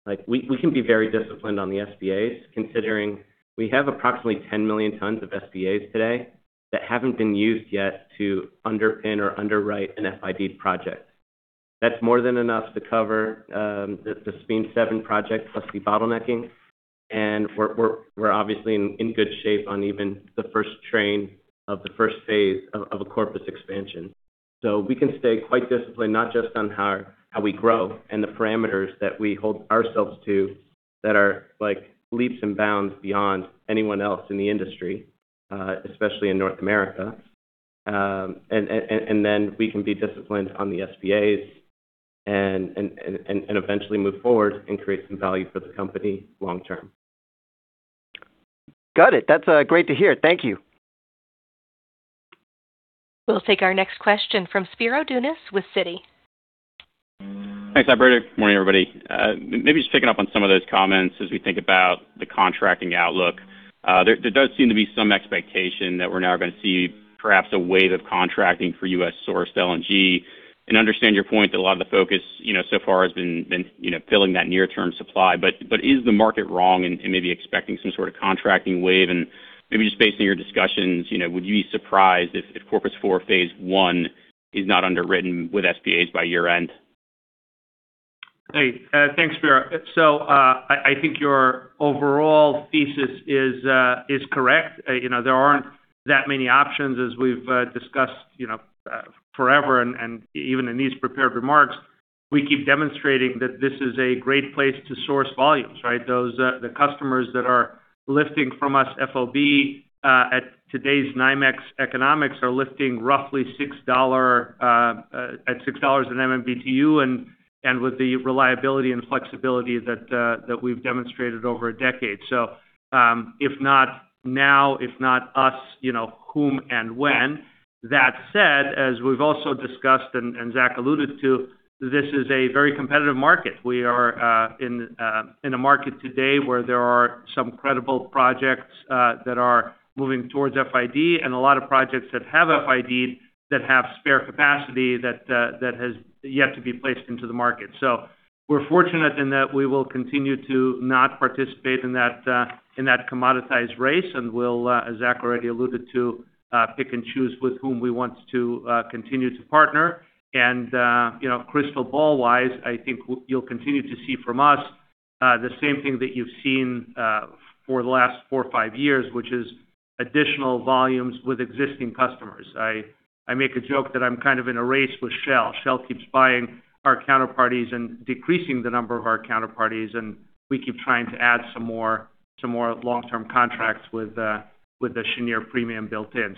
like we can be very disciplined on the SPAs considering we have approximately 10 million tons of SPAs today that haven't been used yet to underpin or underwrite an FID project. That's more than enough to cover the SPL Train 7 project, plus the debottlenecking. We're obviously in good shape on even the first train of the first phase of a Corpus Christi Liquefaction expansion. We can stay quite disciplined, not just on how we grow and the parameters that we hold ourselves to that are like leaps and bounds beyond anyone else in the industry, especially in North America. Then we can be disciplined on the SPAs and eventually move forward and create some value for the company long term. Got it. That's great to hear. Thank you. We'll take our next question from Spiro Dounis with Citi. Thanks, operator. Morning, everybody. Maybe just picking up on some of those comments as we think about the contracting outlook. There does seem to be some expectation that we're now gonna see perhaps a wave of contracting for U.S.-sourced LNG. Understand your point that a lot of the focus, you know, so far has been, you know, filling that near-term supply. Is the market wrong in maybe expecting some sort of contracting wave? Maybe just based on your discussions, you know, would you be surprised if Corpus 4 phase I is not underwritten with SPAs by year-end? Hey, thanks, Spiro. I think your overall thesis is correct. You know, there aren't that many options as we've discussed, you know, forever, and even in these prepared remarks, we keep demonstrating that this is a great place to source volumes, right? Those, the customers that are lifting from us FOB, at today's NYMEX economics are lifting roughly $6 at $6 in MMBtu, and with the reliability and flexibility that we've demonstrated over a decade. If not now, if not us, you know, whom and when? That said, as we've also discussed and Zach alluded to, this is a very competitive market. We are in a market today where there are some credible projects that are moving towards FID and a lot of projects that have FID that have spare capacity that has yet to be placed into the market. We're fortunate in that we will continue to not participate in that in that commoditized race and we'll, as Zach already alluded to, pick and choose with whom we want to continue to partner. You know, crystal ball-wise, I think you'll continue to see from us the same thing that you've seen for the last four or five years, which is additional volumes with existing customers. I make a joke that I'm kind of in a race with Shell. Shell keeps buying our counterparties and decreasing the number of our counterparties, and we keep trying to add some more long-term contracts with the Cheniere premium built in.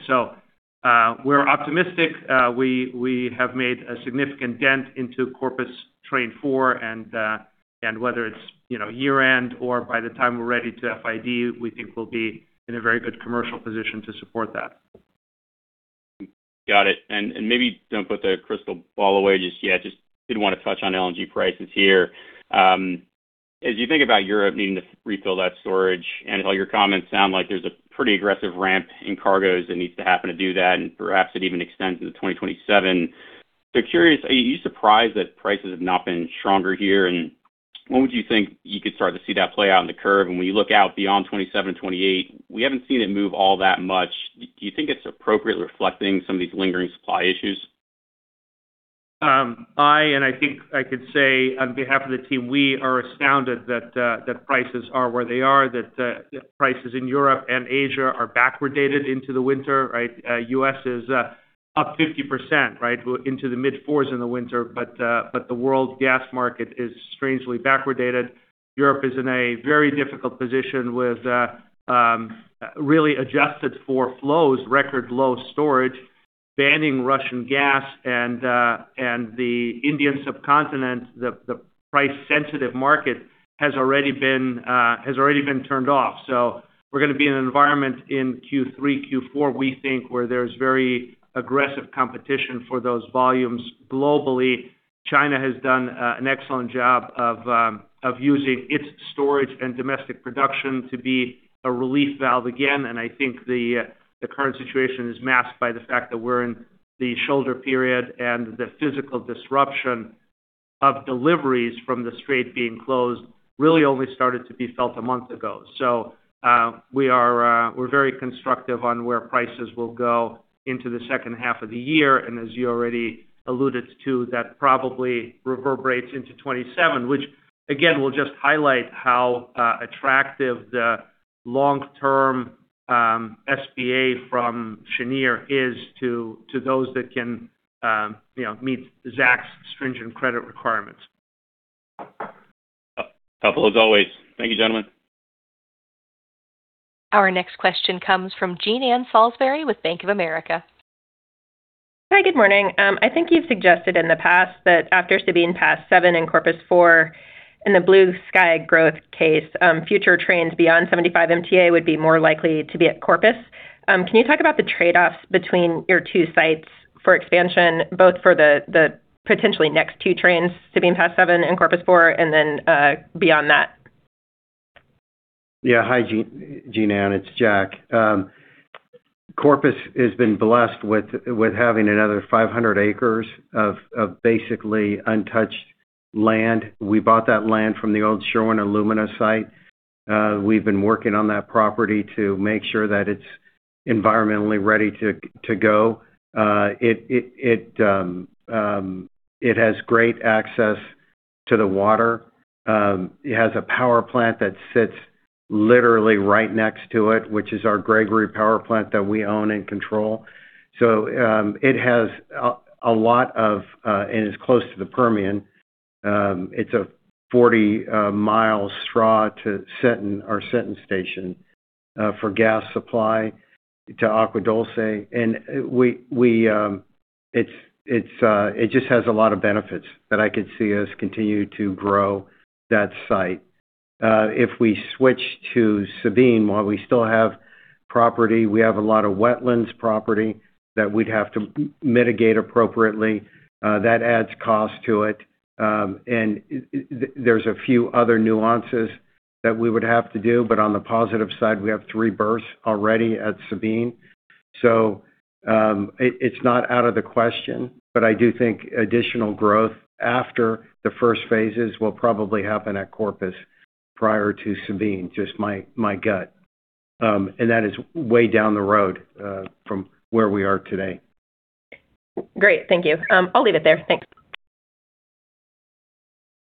We're optimistic. We have made a significant dent into Corpus Train 4, and whether it's, you know, year-end or by the time we're ready to FID, we think we'll be in a very good commercial position to support that. Got it. Maybe don't put the crystal ball away just yet. Just did wanna touch on LNG prices here. As you think about Europe needing to refill that storage, and all your comments sound like there's a pretty aggressive ramp in cargoes that needs to happen to do that, and perhaps it even extends into 2027. Curious, are you surprised that prices have not been stronger here? When would you think you could start to see that play out in the curve? When you look out beyond 2027, 2028, we haven't seen it move all that much. Do you think it's appropriately reflecting some of these lingering supply issues? I, and I think I could say on behalf of the team, we are astounded that prices are where they are, that prices in Europe and Asia are backwardated into the winter, right? U.S. is up 50%, right, into the mid-$4s in the winter. The world gas market is strangely backwardated. Europe is in a very difficult position with really adjusted for flows, record low storage, banning Russian gas and the Indian subcontinent, the price-sensitive market has already been turned off. We're gonna be in an environment in Q3, Q4, we think, where there's very aggressive competition for those volumes globally. China has done an excellent job of using its storage and domestic production to be a relief valve again, and I think the current situation is masked by the fact that we're in the shoulder period, and the physical disruption of deliveries from the Strait being closed really only started to be felt a month ago. We are we're very constructive on where prices will go into the second half of the year. As you already alluded to, that probably reverberates into 2027, which again will just highlight how attractive the long-term SPA from Cheniere is to those that can meet Zach's stringent credit requirements. Helpful as always. Thank you, gentlemen. Our next question comes from Jean Ann Salisbury with Bank of America. Hi, good morning. I think you've suggested in the past that after Sabine Pass 7 and Corpus 4, in the blue sky growth case, future trains beyond 75 MTPA would be more likely to be at Corpus. Can you talk about the trade-offs between your two sites for expansion, both for the potentially next two trains, Sabine Pass 7 and Corpus 4, and then beyond that? Yeah. Hi, Jean, it's Jack. Corpus has been blessed with having another 500 acres of basically untouched land. We bought that land from the old Sherwin Alumina site. We've been working on that property to make sure that it's environmentally ready to go. It has great access to the water. It has a power plant that sits literally right next to it, which is our Gregory power plant that we own and control. It has a lot of and it's close to the Permian. It's a 40 mi straw to Sinton, our Sinton station, for gas supply to Agua Dulce. It just has a lot of benefits that I could see us continue to grow that site. If we switch to Sabine, while we still have property, we have a lot of wetlands property that we'd have to mitigate appropriately, that adds cost to it. There's a few other nuances that we would have to do, but on the positive side, we have three berths already at Sabine. It's not out of the question, but I do think additional growth after the first phases will probably happen at Corpus prior to Sabine, just my gut. That is way down the road from where we are today. Great. Thank you. I'll leave it there. Thanks.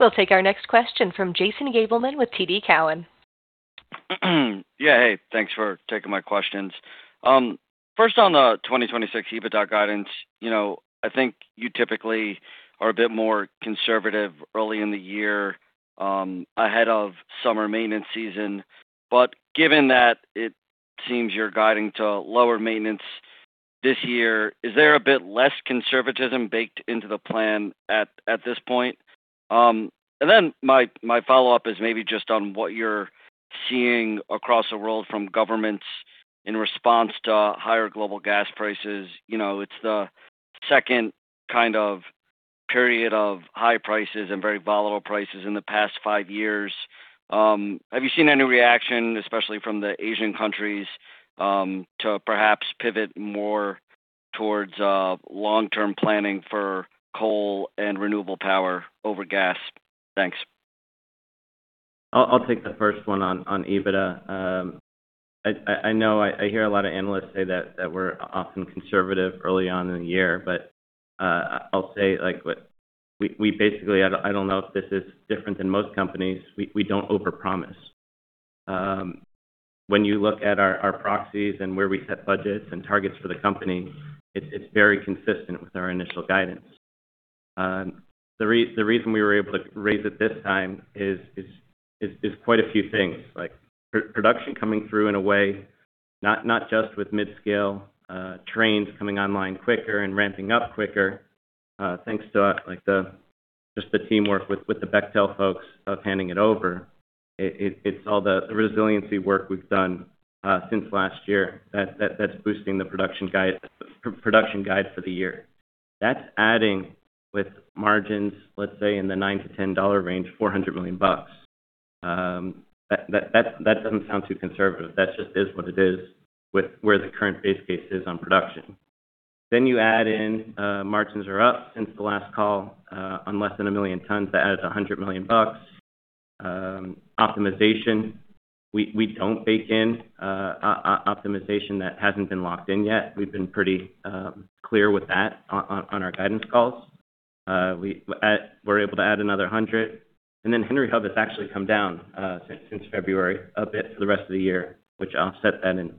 We'll take our next question from Jason Gabelman with TD Cowen. Yeah, hey, thanks for taking my questions. First on the 2026 EBITDA guidance. You know, I think you typically are a bit more conservative early in the year, ahead of summer maintenance season. Given that it seems you're guiding to lower maintenance this year, is there a bit less conservatism baked into the plan at this point? My follow-up is maybe just on what you're seeing across the world from governments in response to higher global gas prices. You know, it's the second kind of period of high prices and very volatile prices in the past five years. Have you seen any reaction, especially from the Asian countries, to perhaps pivot more towards long-term planning for coal and renewable power over gas? Thanks. I'll take the first one on EBITDA. I know I hear a lot of analysts say that we're often conservative early on in the year, but I'll say like what we basically I don't know if this is different than most companies. We don't overpromise. When you look at our proxies and where we set budgets and targets for the company, it's very consistent with our initial guidance. The reason we were able to raise it this time is quite a few things like production coming through in a way, not just with mid-scale trains coming online quicker and ramping up quicker, thanks to like just the teamwork with the Bechtel folks of handing it over. It's all the resiliency work we've done since last year that's boosting the production guide for the year. That's adding with margins, let's say in the $9-$10 range, $400 million. That doesn't sound too conservative. That just is what it is with where the current base case is on production. You add in, margins are up since the last call, on less than a million tons. That adds $100 million. Optimization. We don't bake in optimization that hasn't been locked in yet. We've been pretty clear with that on our guidance calls. We're able to add another $100 million. Henry Hub has actually come down since February a bit for the rest of the year, which offset that and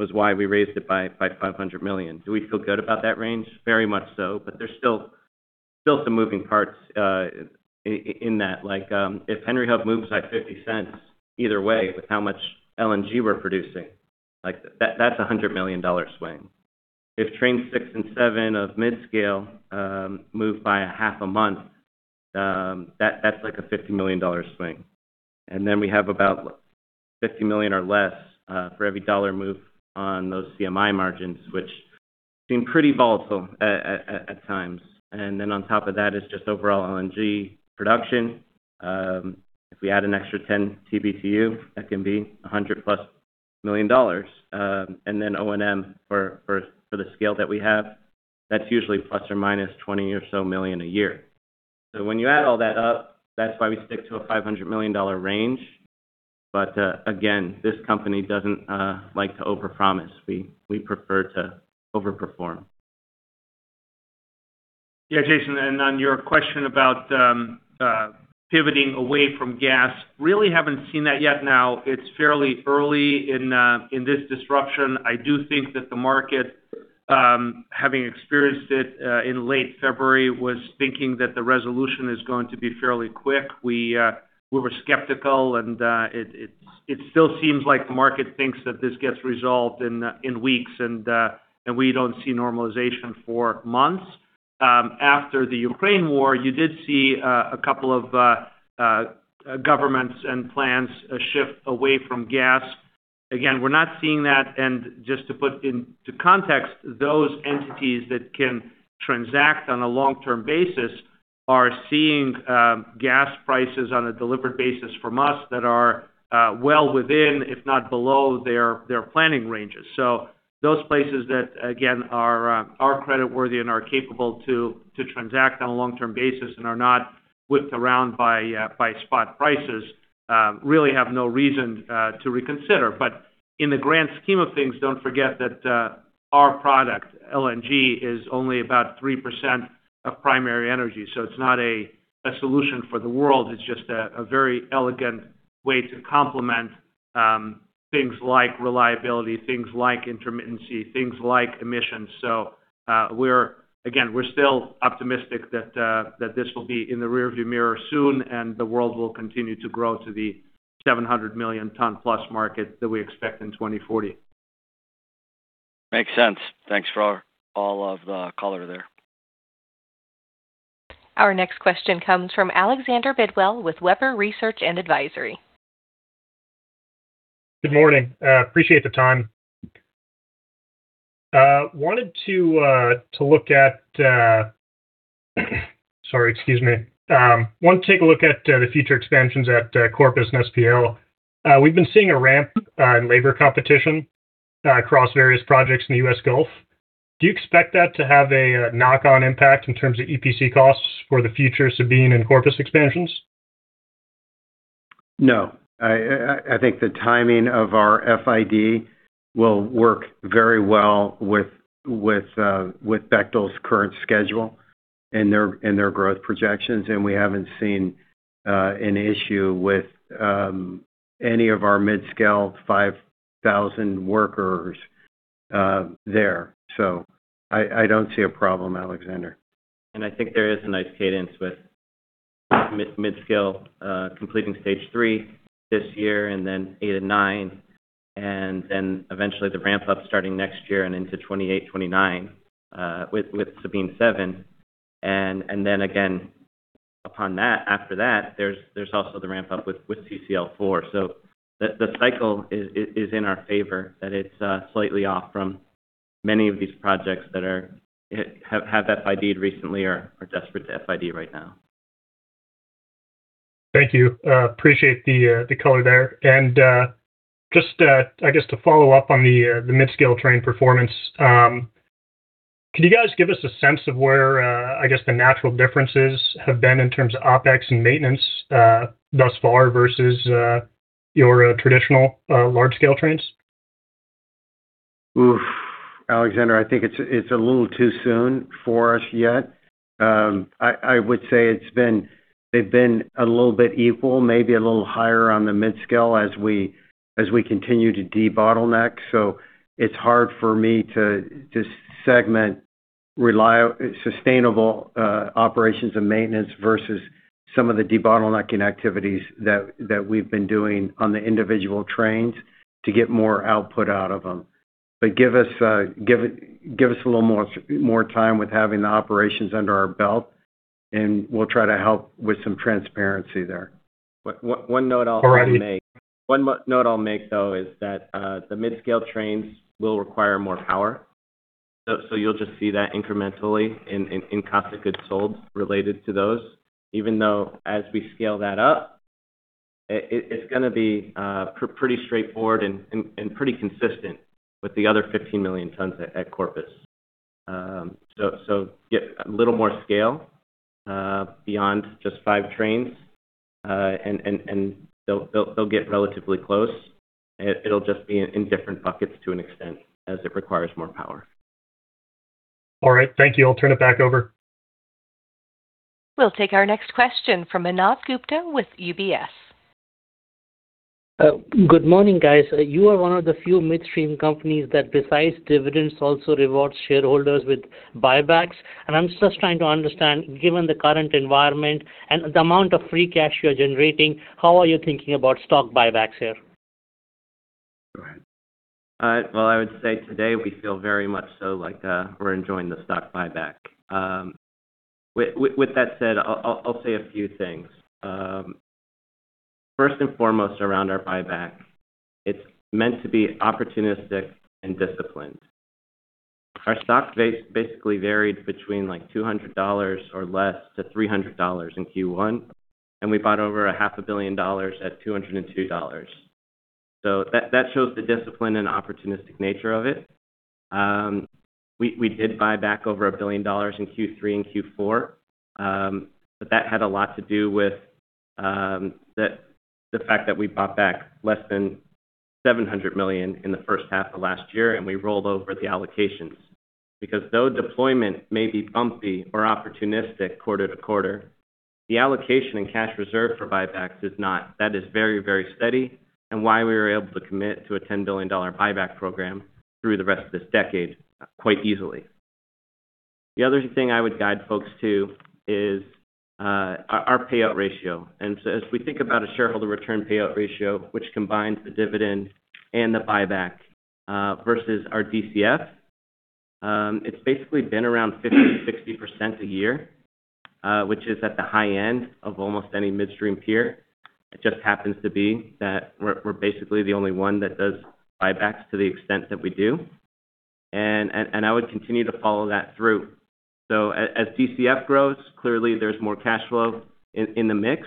was why we raised it by $500 million. Do we feel good about that range? Very much so, but there's still some moving parts in that. Like, if Henry Hub moves by $0.50 either way with how much LNG we're producing, like that's a $100 million swing. If Train 6 and 7 of mid-scale move by a half a month, that's like a $50 million swing. We have about $50 million or less for every $1 move on those CMI margins, which seem pretty volatile at times. On top of that is just overall LNG production. If we add an extra 10 TBtu, that can be $100 million+. O&M for the scale that we have, that's usually ±$20 million a year. When you add all that up, that's why we stick to a $500 million range. Again, this company doesn't like to overpromise. We prefer to overperform. Yeah, Jason. On your question about pivoting away from gas. Really haven't seen that yet now. It's fairly early in this disruption. I do think that the market, having experienced it in late February, was thinking that the resolution is going to be fairly quick. We were skeptical, and it still seems like the market thinks that this gets resolved in weeks, and we don't see normalization for months. After the Ukraine war, you did see two governments and plans shift away from gas. Again, we're not seeing that. Just to put into context, those entities that can transact on a long-term basis are seeing gas prices on a delivered basis from us that are well within, if not below their planning ranges. Those places that, again, are creditworthy and are capable to transact on a long-term basis and are not whipped around by spot prices, really have no reason to reconsider. In the grand scheme of things, don't forget that our product, LNG, is only about 3% of primary energy. It's not a solution for the world. It's just a very elegant way to complement things like reliability, things like intermittency, things like emissions. Again, we're still optimistic that this will be in the rearview mirror soon, and the world will continue to grow to the 700 million ton plus market that we expect in 2040. Makes sense. Thanks for all of the color there. Our next question comes from Alexander Bidwell with Webber Research & Advisory. Good morning. Appreciate the time. Sorry, excuse me. Want to take a look at the future expansions at Corpus and SPL. We've been seeing a ramp in labor competition across various projects in the U.S. Gulf. Do you expect that to have a knock-on impact in terms of EPC costs for the future Sabine and Corpus expansions? No. I think the timing of our FID will work very well with Bechtel's current schedule and their growth projections. We haven't seen an issue with any of our mid-scale 5,000 workers there. I don't see a problem, Alexander. I think there is a nice cadence with mid-scale completing stage 3 this year and then 8 and 9, and then eventually the ramp up starting next year and into 2028, 2029, with Sabine 7. Then again, after that, there's also the ramp up with CCL4. The cycle is in our favor, that it's slightly off from many of these projects that have FID'd recently or are desperate to FID right now. Thank you. Appreciate the color there. Just I guess to follow up on the mid-scale train performance, can you guys give us a sense of where I guess the natural differences have been in terms of OpEx and maintenance thus far versus your traditional large-scale trains? Oof. Alexander, I think it's a little too soon for us yet. I would say they've been a little bit equal, maybe a little higher on the mid-scale as we continue to debottleneck. It's hard for me to segment sustainable operations and maintenance versus some of the debottlenecking activities that we've been doing on the individual trains to get more output out of them. Give us a little more time with having the operations under our belt, and we'll try to help with some transparency there. One note I'll make. All right. One note I'll make, though, is that the mid-scale trains will require more power. You'll just see that incrementally in cost of goods sold related to those. Even though as we scale that up, it's gonna be pretty straightforward and pretty consistent with the other 15 million tons at Corpus. Get a little more scale beyond just five trains and they'll get relatively close. It'll just be in different buckets to an extent as it requires more power. All right. Thank you. I'll turn it back over. We'll take our next question from Manav Gupta with UBS. Good morning, guys. You are one of the few midstream companies that besides dividends also rewards shareholders with buybacks. I'm just trying to understand, given the current environment and the amount of free cash you're generating, how are you thinking about stock buybacks here? Go ahead. Well, I would say today we feel very much so like, we're enjoying the stock buyback. With that said, I'll say a few things. First and foremost, around our buyback, it's meant to be opportunistic and disciplined. Our stock basically varied between, like, $200 or less to $300 in Q1. We bought over a half a billion dollars at $202. That shows the discipline and opportunistic nature of it. We did buy back over $1 billion in Q3 and Q4, but that had a lot to do with the fact that we bought back less than $700 million in the first half of last year, and we rolled over the allocations. Though deployment may be bumpy or opportunistic quarter-to-quarter, the allocation and cash reserve for buybacks is not. That is very, very steady and why we were able to commit to a $10 billion buyback program through the rest of this decade quite easily. The other thing I would guide folks to is our payout ratio. As we think about a shareholder return payout ratio, which combines the dividend and the buyback, versus our DCF, it's basically been around 50%-60% a year, which is at the high end of almost any midstream peer. It just happens to be that we're basically the only one that does buybacks to the extent that we do. I would continue to follow that through. As DCF grows, clearly there's more cash flow in the mix,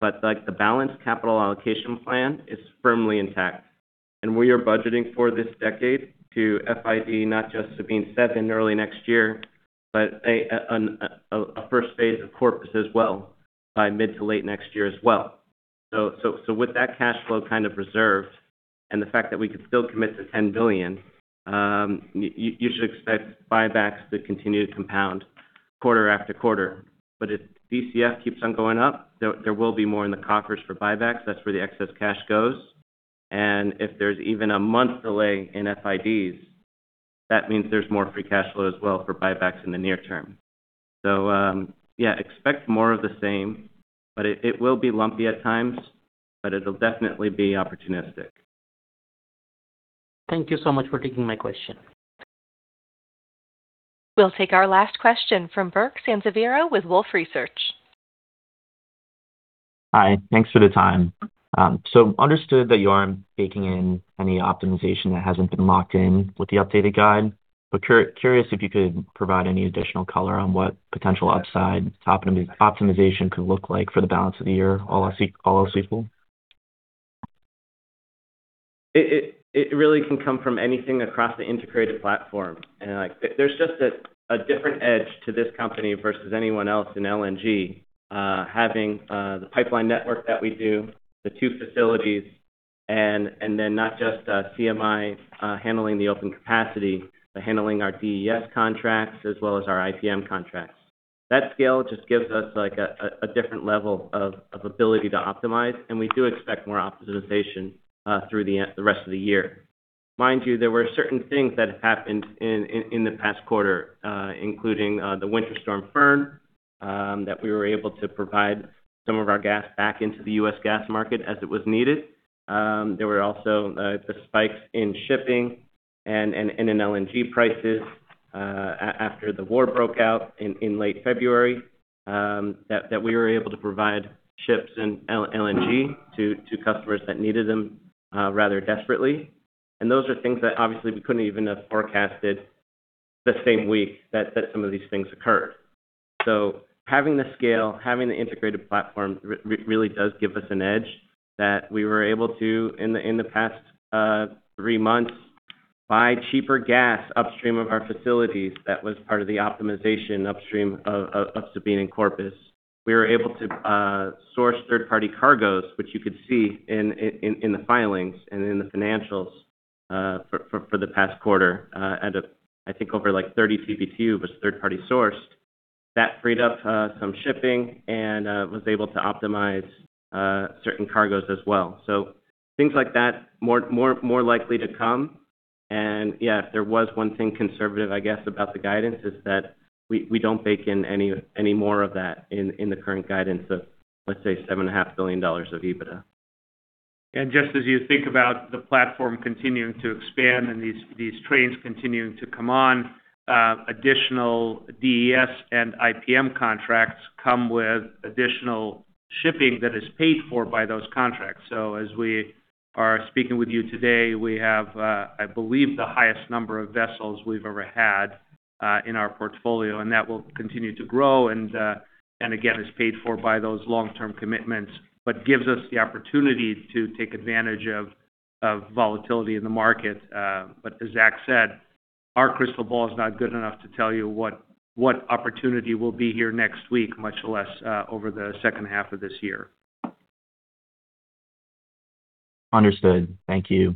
but, like, the balanced capital allocation plan is firmly intact. We are budgeting for this decade to FID not just Sabine 7 early next year, but a first phase of Corpus as well by mid to late next year as well. With that cash flow kind of reserved and the fact that we could still commit to $10 billion, you should expect buybacks to continue to compound quarter after quarter. If DCF keeps on going up, there will be more in the coffers for buybacks. That's where the excess cash goes. If there's even a month delay in FIDs, that means there's more free cash flow as well for buybacks in the near term. Yeah, expect more of the same, but it will be lumpy at times, but it'll definitely be opportunistic. Thank you so much for taking my question. We'll take our last question from Burke Sansiviero with Wolfe Research. Hi. Thanks for the time. Understood that you aren't baking in any optimization that hasn't been locked in with the updated guide. Curious if you could provide any additional color on what potential upside optimization could look like for the balance of the year, all else equal? It really can come from anything across the integrated platform. Like, there's just a different edge to this company versus anyone else in LNG, having the pipeline network that we do, the two facilities, and then not just CMI handling the open capacity, but handling our DES contracts as well as our IPM contracts. That scale just gives us, like, a different level of ability to optimize, and we do expect more optimization through the rest of the year. Mind you, there were certain things that happened in the past quarter, including the Winter Storm Fern, that we were able to provide some of our gas back into the U.S. gas market as it was needed. There were also the spikes in shipping and in LNG prices after the war broke out in late February, that we were able to provide ships and LNG to customers that needed them rather desperately. Those are things that obviously we couldn't even have forecasted the same week that some of these things occurred. Having the scale, having the integrated platform really does give us an edge that we were able to, in the, in the past, three months, buy cheaper gas upstream of our facilities that was part of the optimization upstream of Sabine and Corpus. We were able to source third-party cargoes, which you could see in the filings and in the financials, for the past quarter, end up I think over, like, 30 TBtu was third-party sourced. That freed up some shipping and was able to optimize certain cargoes as well. Things like that more likely to come. Yeah, if there was one thing conservative, I guess, about the guidance is that we don't bake in any more of that in the current guidance of, let's say, $7.5 billion of EBITDA. Just as you think about the platform continuing to expand and these trains continuing to come on, additional DES and IPM contracts come with additional shipping that is paid for by those contracts. As we are speaking with you today, we have, I believe the highest number of vessels we've ever had in our portfolio, and that will continue to grow and again, is paid for by those long-term commitments, but gives us the opportunity to take advantage of volatility in the market. As Zach said, our crystal ball is not good enough to tell you what opportunity will be here next week, much less over the second half of this year. Understood. Thank you.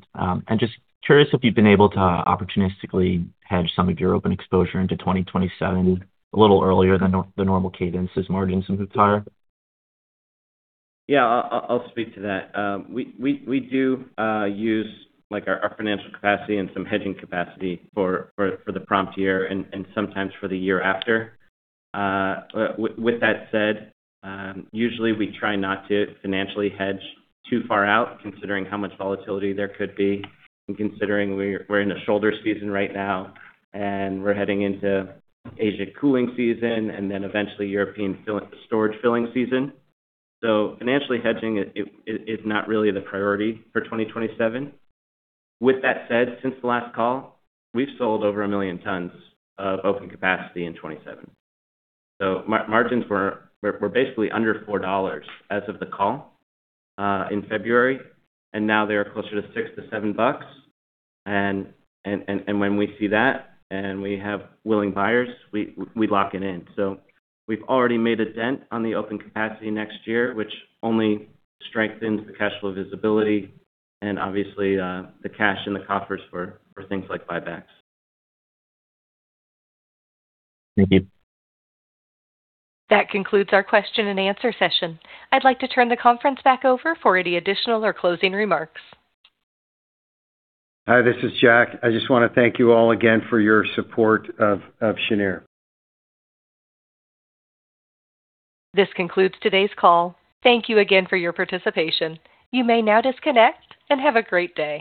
Just curious if you've been able to opportunistically hedge some of your open exposure into 2027 a little earlier than the normal cadence as margins retire. Yeah, I'll speak to that. We do use, like, our financial capacity and some hedging capacity for the prompt year and sometimes for the year after. With that said, usually we try not to financially hedge too far out considering how much volatility there could be and considering we're in a shoulder season right now, and we're heading into Asia cooling season and then eventually European storage filling season. Financially hedging it is not really the priority for 2027. With that said, since the last call, we've sold over 1 million tons of open capacity in 2027. Margins were basically under $4 as of the call in February, and now they are closer to $6-$7. When we see that and we have willing buyers, we lock it in. We've already made a dent on the open capacity next year, which only strengthens the cash flow visibility and obviously, the cash in the coffers for things like buybacks. Thank you. That concludes our question-and-answer session. I'd like to turn the conference back over for any additional or closing remarks. Hi, this is Jack. I just wanna thank you all again for your support of Cheniere. This concludes today's call. Thank you again for your participation. You may now disconnect and have a great day.